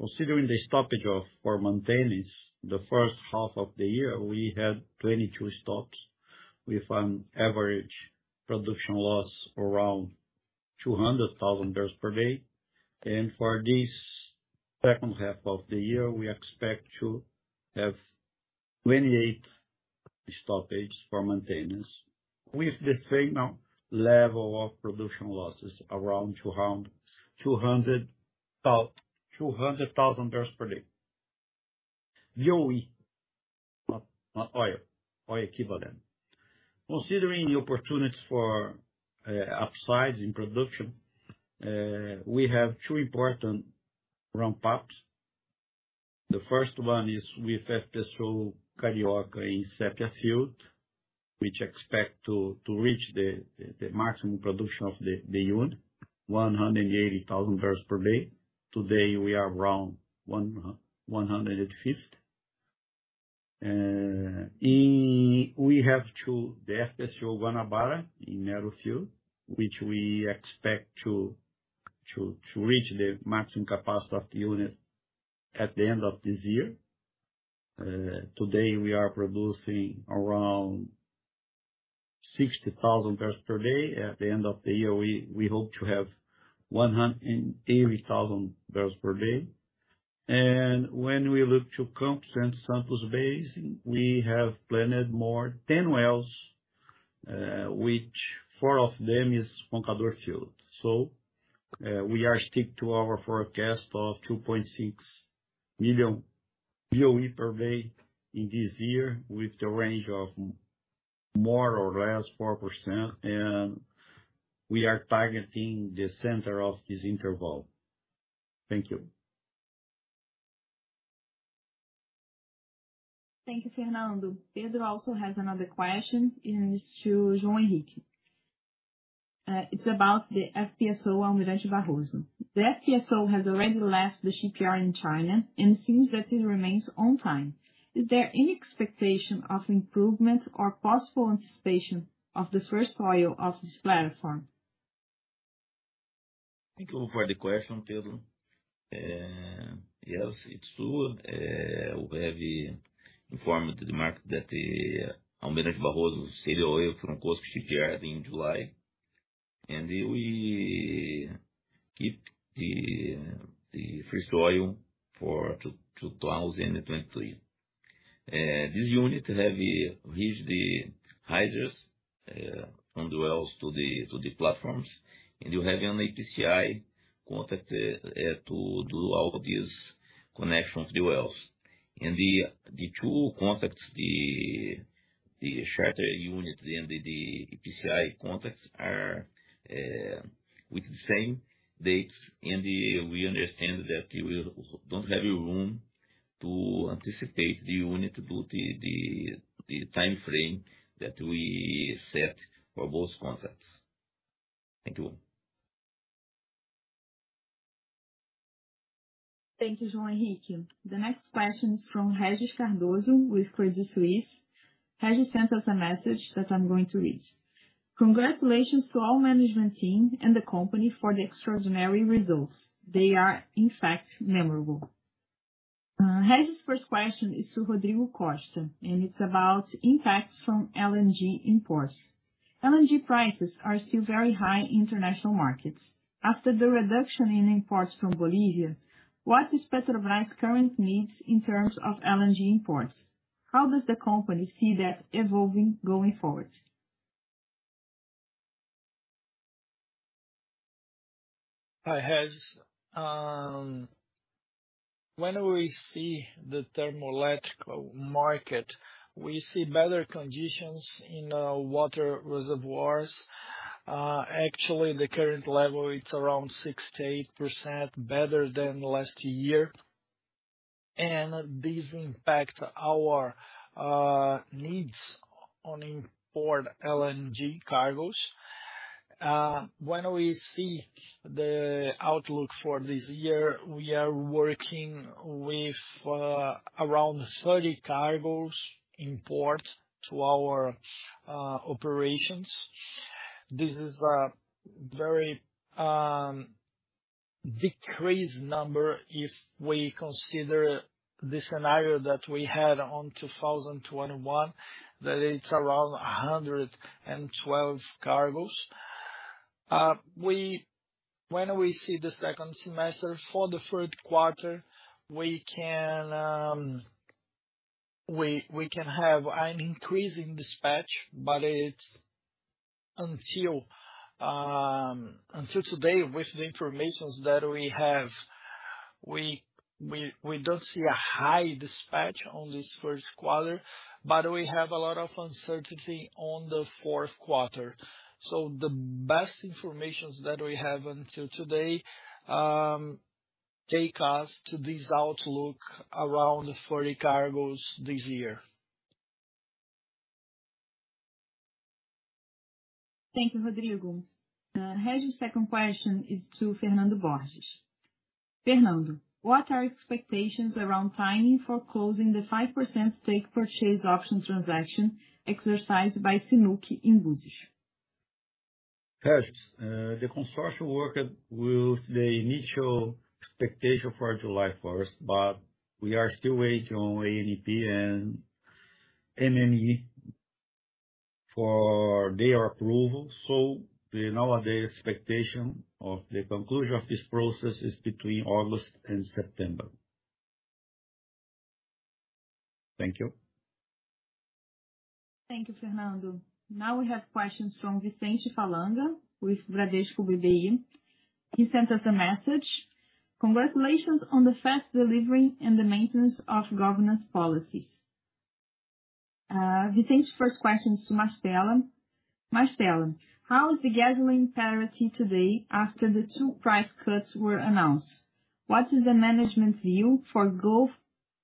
Considering the stoppage for maintenance, the first half of the year, we had 22 stops with an average production loss around 200,000 barrels per day. For this second half of the year, we expect to have 28 stoppages for maintenance with the same level of production losses, around 200,000 barrels per day, BOE, not oil equivalent. Considering the opportunities for upsides in production, we have two important ramp-ups. The first one is with FPSO Carioca in Sépia field, which expect to reach the maximum production of the unit, 180,000 barrels per day. Today, we are around 150. We have too, the FPSO Guanabara in Mero field, which we expect to reach the maximum capacity of the unit at the end of this year. Today we are producing around 60,000 barrels per day. At the end of the year, we hope to have 180,000 barrels per day. When we look to Campos and Santos Basin, we have planned more than 10 wells, which four of them is Roncador field. We are sticking to our forecast of 2.6 million BOE per day this year with the range of more or less 4%, and we are targeting the center of this interval. Thank you. Thank you, Fernando. Pedro also has another question, and it's to João Henrique. It's about the FPSO Almirante Barroso. The FPSO has already left the shipyard in China, and it seems that it remains on time. Is there any expectation of improvements or possible anticipation of the first oil of this platform? Thank you for the question, Pedro. Yes, it's true. We have informed the market that Almirante Barroso sailed away from COSCO Shipyard in July, and we keep the first oil for 2023. This unit have reached the risers on the wells to the platforms, and you have an EPCI contract to do all these connections to the wells. The two contracts, the charter unit and the EPCI contracts are with the same dates. We understand that we don't have room to anticipate the unit to do the timeframe that we set for both contracts. Thank you. Thank you, João Henrique. The next question is from Regis Cardoso with Credit Suisse. Regis sent us a message that I'm going to read. Congratulations to all management team and the company for the extraordinary results. They are, in fact, memorable. Regis's first question is to Rodrigo Costa, and it's about impacts from LNG imports. LNG prices are still very high in international markets. After the reduction in imports from Bolivia, what is Petrobras' current needs in terms of LNG imports? How does the company see that evolving going forward? Hi, Regis. When we see the thermal electrical market, we see better conditions in water reservoirs. Actually, the current level, it's around 68% better than last year. This impacts our needs on import LNG cargos. When we see the outlook for this year, we are working with around 30 cargos import to our operations. This is a very decreased number if we consider the scenario that we had on 2021, that it's around 112 cargoes. When we see the second semester for the third quarter, we can have an increase in dispatch, but it's until today, with the information that we have, we don't see a high dispatch on this first quarter, but we have a lot of uncertainty on the fourth quarter. The best information that we have until today take us to this outlook around 40 cargoes this year. Thank you, Rodrigo. Regis's second question is to Fernando Borges. Fernando, what are expectations around timing for closing the 5% stake purchase option transaction exercised by CNOOC in Búzios? Yes. The consortium worked with the initial expectation for July first, but we are still waiting on ANP and MME for their approval. Nowadays expectation of the conclusion of this process is between August and September. Thank you. Thank you, Fernando. Now we have questions from Vicente Falanga, with Bradesco BBI. He sends us a message. Congratulations on the fast delivery and the maintenance of governance policies. Vicente's first question is to Mastella. Mastella, how is the gasoline parity today after the two price cuts were announced? What is the management view for Gulf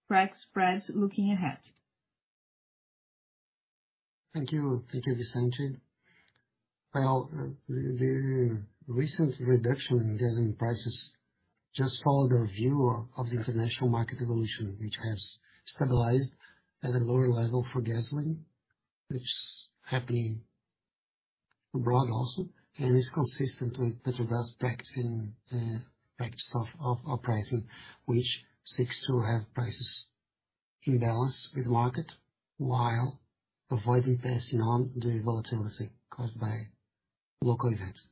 crack spreads looking ahead? Thank you. Thank you, Vicente. Well, the recent reduction in gasoline prices just follow the view of the international market evolution, which has stabilized at a lower level for gasoline, which is happening abroad also, and is consistent with Petrobras practice of pricing, which seeks to have prices in balance with market while avoiding passing on the volatility caused by local events.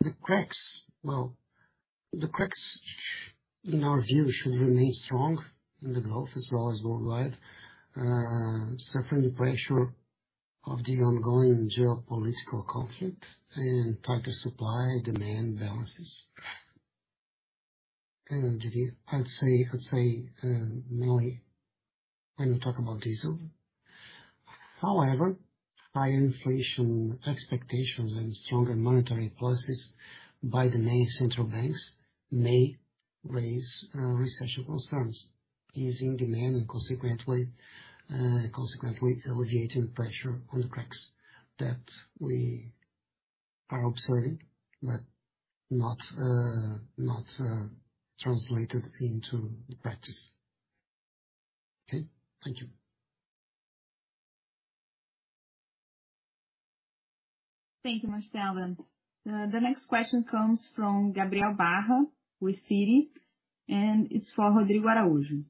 The cracks, in our view, should remain strong in the Gulf as well as worldwide, suffering the pressure of the ongoing geopolitical conflict and tighter supply-demand balances. I'd say, mainly when we talk about diesel. However, high inflation expectations and stronger monetary policies by the main central banks may raise recession concerns, easing demand and consequently alleviating pressure on the cracks that we are observing, but not translated into the practice. Okay. Thank you. Thank you, Mastella. The next question comes from Gabriel Barra with Citi, and it's for Rodrigo Araujo.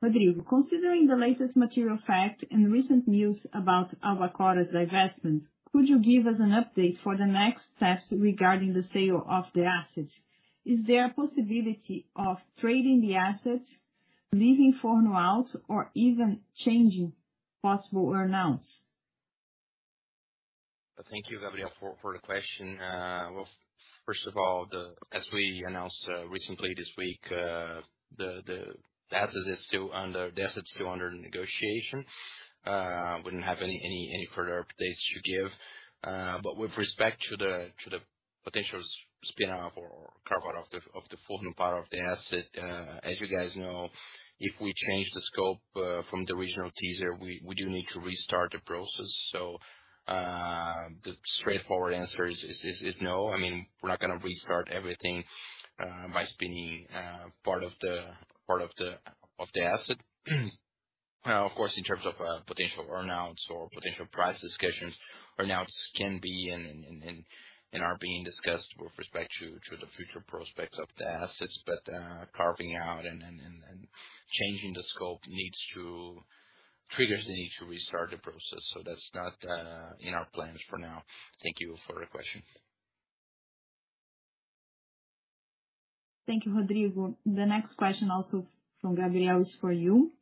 Rodrigo, considering the latest material fact and recent news about Albacora's divestment, could you give us an update for the next steps regarding the sale of the assets? Is there a possibility of trading the assets, leaving Furnas out or even changing possible earn-outs? Thank you, Gabriel, for the question. Well, first of all, as we announced recently this week, the asset is still under negotiation. Wouldn't have any further updates to give. But with respect to the potential spin-off or carve-out of the Furnas part of the asset, as you guys know, if we change the scope from the original teaser, we do need to restart the process. The straightforward answer is no. I mean, we're not gonna restart everything by spinning part of the asset. Of course, in terms of potential earn-outs or potential price discussions, earn-outs can be and are being discussed with respect to the future prospects of the assets. Carving out and changing the scope needs to trigger the need to restart the process. That's not in our plans for now. Thank you for the question. Thank you, Rodrigo. The next question also from Gabriel is for you,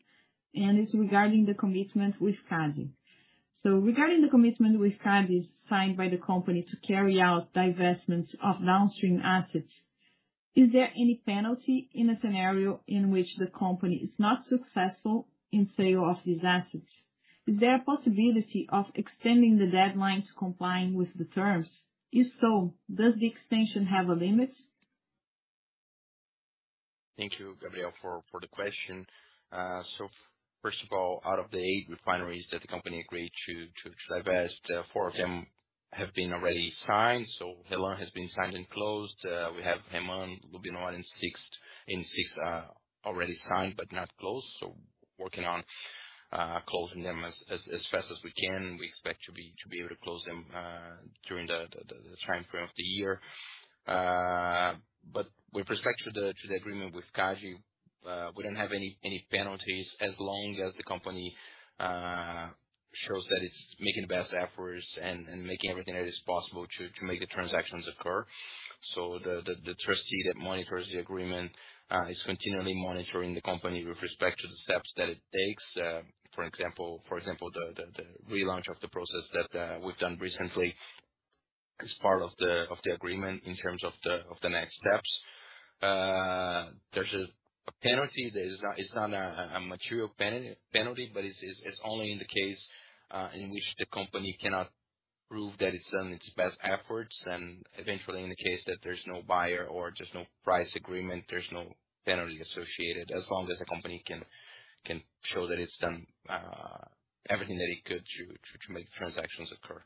and it's regarding the commitment with CADE. Regarding the commitment with CADE signed by the company to carry out divestments of downstream assets, is there any penalty in a scenario in which the company is not successful in sale of these assets? Is there a possibility of extending the deadline to complying with the terms? If so, does the extension have a limit? Thank you, Gabriel, for the question. First of all, out of the eight refineries that the company agreed to divest, four of them have been already signed. REMAN has been signed and closed. We have the other three, you know, already signed but not closed. Working on closing them as fast as we can. We expect to be able to close them during the timeframe of the year. With respect to the agreement with CADE, we don't have any penalties as long as the company shows that it's making the best efforts and making everything that is possible to make the transactions occur. The trustee that monitors the agreement is continually monitoring the company with respect to the steps that it takes. For example, the relaunch of the process that we've done recently is part of the agreement in terms of the next steps. There's a penalty. It's not a material penalty, but it's only in the case in which the company cannot prove that it's done its best efforts, and eventually in the case that there's no buyer or there's no price agreement, there's no penalty associated, as long as the company can show that it's done everything that it could to make transactions occur.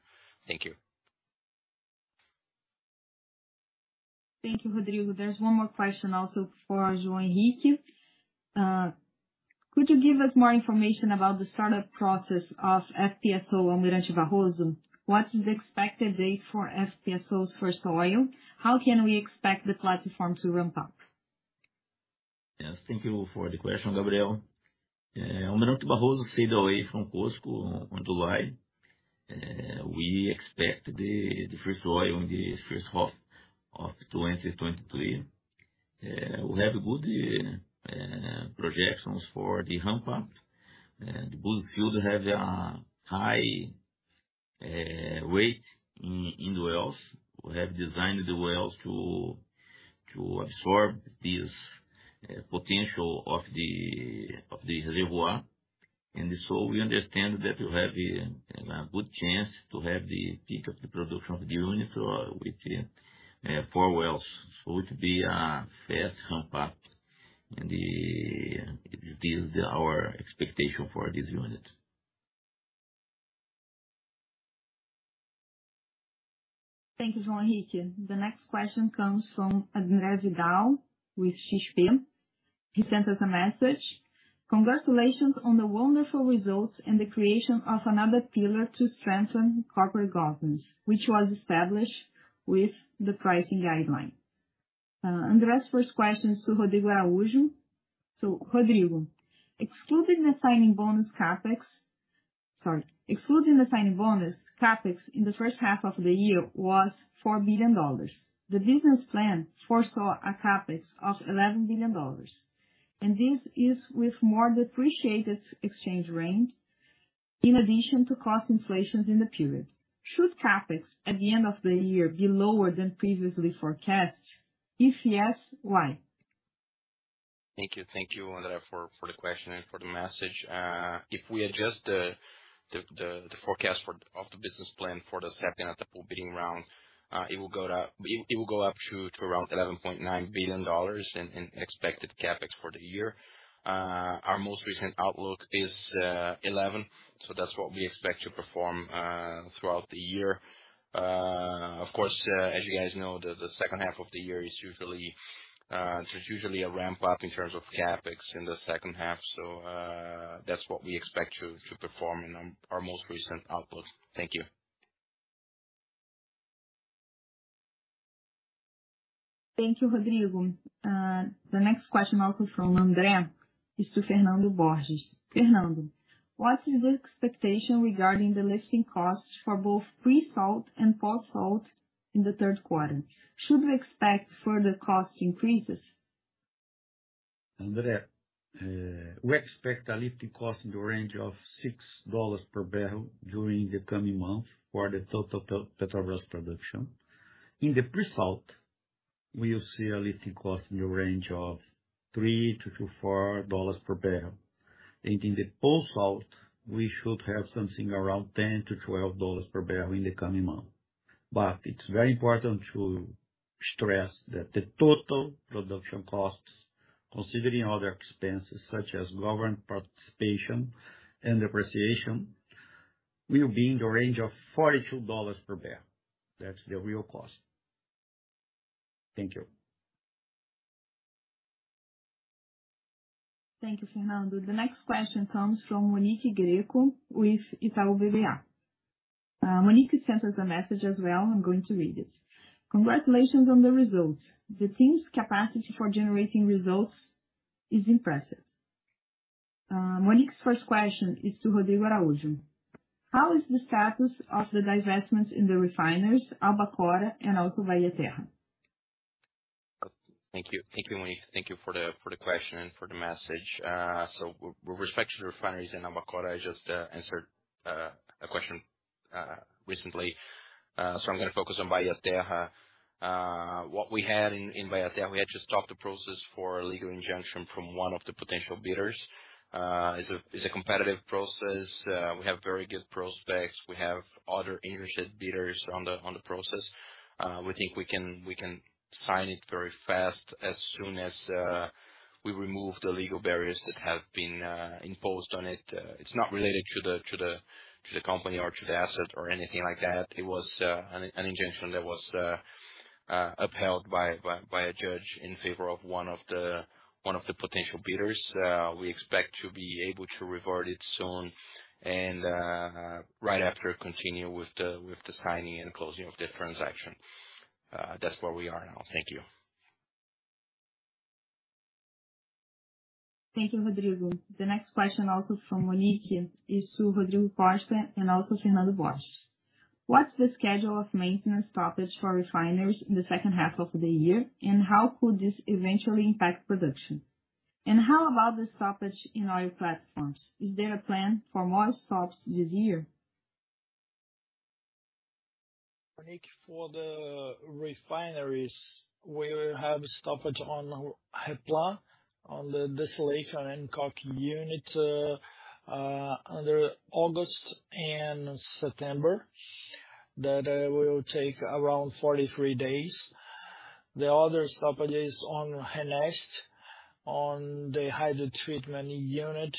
Thank you. Thank you, Rodrigo. There's one more question also for João Henrique. Could you give us more information about the startup process of FPSO Almirante Barroso? What is the expected date for FPSO's first oil? How can we expect the platform to ramp up? Yes, thank you for the question, Gabriel. Almirante Barroso sailed away from COSCO on July. We expect the first oil in the first half of 2023. We have good projections for the ramp up. The Búzios field has a high weight in the wells. We have designed the wells to absorb this potential of the reservoir. We understand that we have a good chance to have the peak of the production of the unit with four wells. It would be a fast ramp up, and this is our expectation for this unit. Thank you, João Henrique. The next question comes from André Vidal with XP Investimentos. He sends us a message: Congratulations on the wonderful results and the creation of another pillar to strengthen corporate governance, which was established with the pricing guideline. André's first question is to Rodrigo Araujo. Rodrigo, excluding the signing bonus, CapEx in the first half of the year was $4 billion. The business plan foresaw a CapEx of $11 billion, and this is with more depreciated exchange rate in addition to cost inflations in the period. Should CapEx at the end of the year be lower than previously forecast? If yes, why? Thank you. Thank you, André, for the question and for the message. If we adjust the forecast for the business plan for the Sépia at the full bidding round, it will go up to around $11.9 billion in expected CapEx for the year. Our most recent outlook is $11 billion, so that's what we expect to perform throughout the year. Of course, as you guys know, the second half of the year is usually, there's usually a ramp up in terms of CapEx in the second half. That's what we expect to perform in our most recent outlook. Thank you. Thank you, Rodrigo. The next question also from André is to Fernando Borges. Fernando, what is the expectation regarding the lifting costs for both pre-salt and post-salt in the third quarter? Should we expect further cost increases? André, we expect a lifting cost in the range of $6 per barrel during the coming month for the total Petrobras production. In the pre-salt, we'll see a lifting cost in the range of $3-$4 per barrel. In the post-salt, we should have something around $10-$12 per barrel in the coming month. It's very important to stress that the total production costs, considering other expenses such as government participation and depreciation, will be in the range of $42 per barrel. That's the real cost. Thank you. Thank you, Fernando. The next question comes from Monique Greco with Itaú BBA. Monique sent us a message as well, I'm going to read it. Congratulations on the result. The team's capacity for generating results is impressive. Monique's first question is to Rodrigo Araujo. How is the status of the divestments in the refineries Albacora and also Bahia Terra? Thank you. Thank you, Monique. Thank you for the question and for the message. With respect to the refineries in Albacora, I just answered a question recently. I'm gonna focus on Bahia Terra. What we had in Bahia Terra, we had just stopped the process for a legal injunction from one of the potential bidders. It's a competitive process. We have very good prospects. We have other interested bidders on the process. We think we can sign it very fast as soon as we remove the legal barriers that have been imposed on it. It's not related to the company or to the asset or anything like that. It was an injunction that was upheld by a judge in favor of one of the potential bidders. We expect to be able to revert it soon and, right after, continue with the signing and closing of the transaction. That's where we are now. Thank you. Thank you, Rodrigo. The next question also from Monique, is to Rodrigo Costa and also Fernando Borges. What's the schedule of maintenance stoppage for refineries in the second half of the year, and how could this eventually impact production? How about the stoppage in oil platforms? Is there a plan for more stops this year? Monique, for the refineries, we will have stoppage on REPLAN, on the distillation and coking unit, in August and September, will take around 43 days. The other stoppages on RNEST, on the hydrotreatment unit,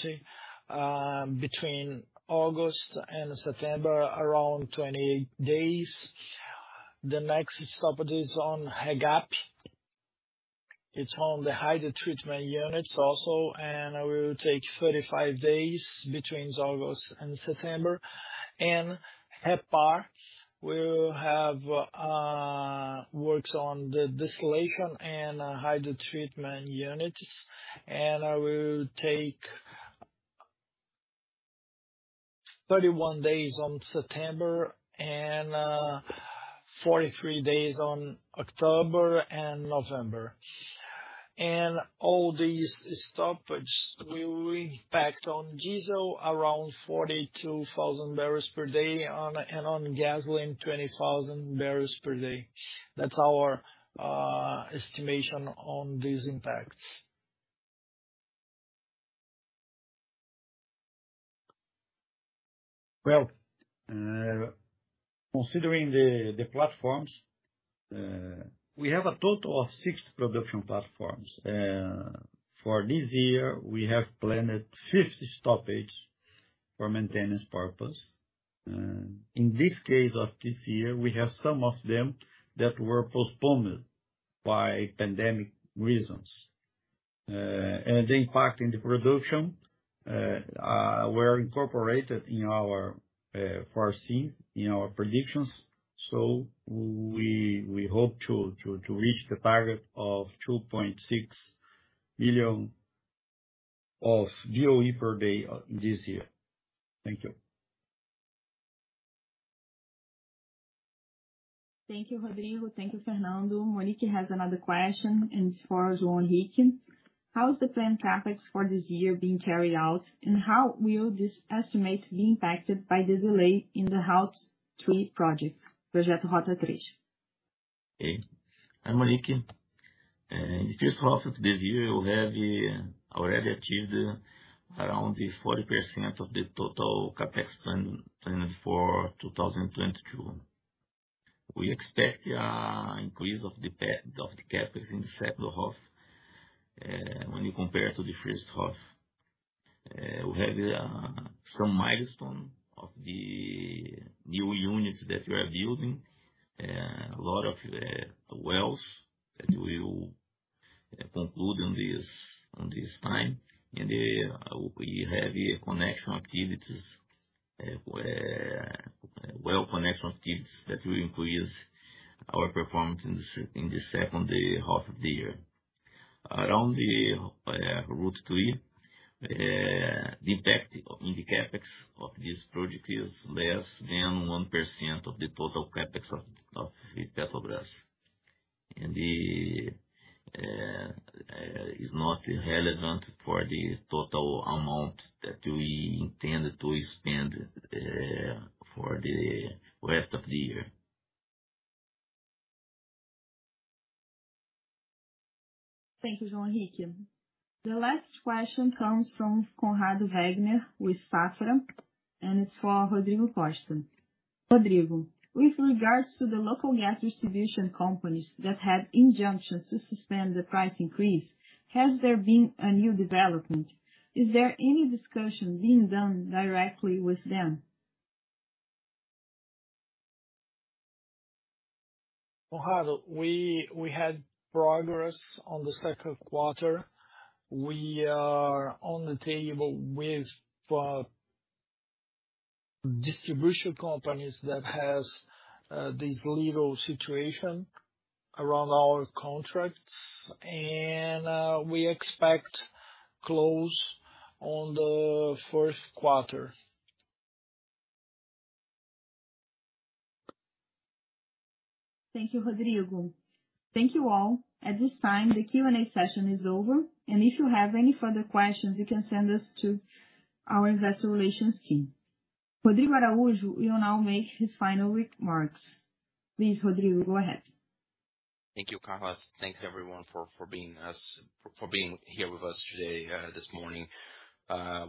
between August and September, around 28 days. The next stoppage is on REGAP. It's on the hydrotreatment units also and will take 35 days between August and September. REPAR will have works on the distillation and hydrotreatment units, and will take 31 days on September and 43 days on October and November. All these stoppages will impact on diesel around 42,000 barrels per day, and on gasoline, 20,000 barrels per day. That's our estimation on these impacts. Well, considering the platforms, we have a total of six production platforms. For this year, we have planned six stoppages for maintenance purpose. In this case of this year, we have some of them that were postponed by pandemic reasons. The impact in the production were incorporated in our foreseen predictions. We hope to reach the target of 2.6 million BOE per day this year. Thank you. Thank you, Rodrigo. Thank you, Fernando. Monique has another question. As far as João Henrique, how is the planned CapEx for this year being carried out, and how will this estimate be impacted by the delay in the Rota 3 project? Projeto Rota Três. Hey. Hi, Monique. In the first half of this year, we have already achieved around 40% of the total CapEx plan planned for 2022. We expect an increase of the CapEx in the second half, when you compare to the first half. We have some milestones of the new units that we are building, a lot of wells that we will conclude at this time. We have well connection activities that will increase our performance in the second half of the year. Around the Rota 3, the impact in the CapEx of this project is less than 1% of the total CapEx of Petrobras and is not relevant for the total amount that we intend to spend for the rest of the year. Thank you, João Henrique. The last question comes from Conrado Wagner with Safra, and it's for Rodrigo Costa. Rodrigo, with regards to the local gas distribution companies that had injunctions to suspend the price increase, has there been a new development? Is there any discussion being done directly with them? Conrado Wagner, we had progress on the second quarter. We are on the table with distribution companies that has this legal situation around our contracts, and we expect close on the fourth quarter. Thank you, Rodrigo. Thank you all. At this time, the Q&A session is over, and if you have any further questions, you can send them to our investor relations team. Rodrigo Araujo will now make his final remarks. Please, Rodrigo, go ahead. Thank you, Carla. Thanks everyone for being here with us today, this morning.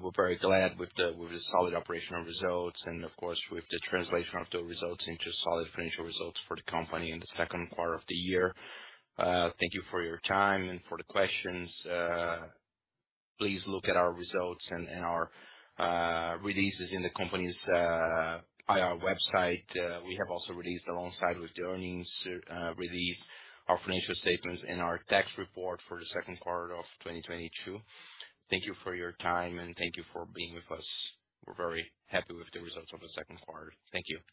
We're very glad with the solid operational results and of course with the translation of the results into solid financial results for the company in the second part of the year. Thank you for your time and for the questions. Please look at our results and our releases in the company's IR website. We have also released alongside with the earnings release our financial statements and our tax report for the second quarter of 2022. Thank you for your time, and thank you for being with us. We're very happy with the results of the second quarter. Thank you.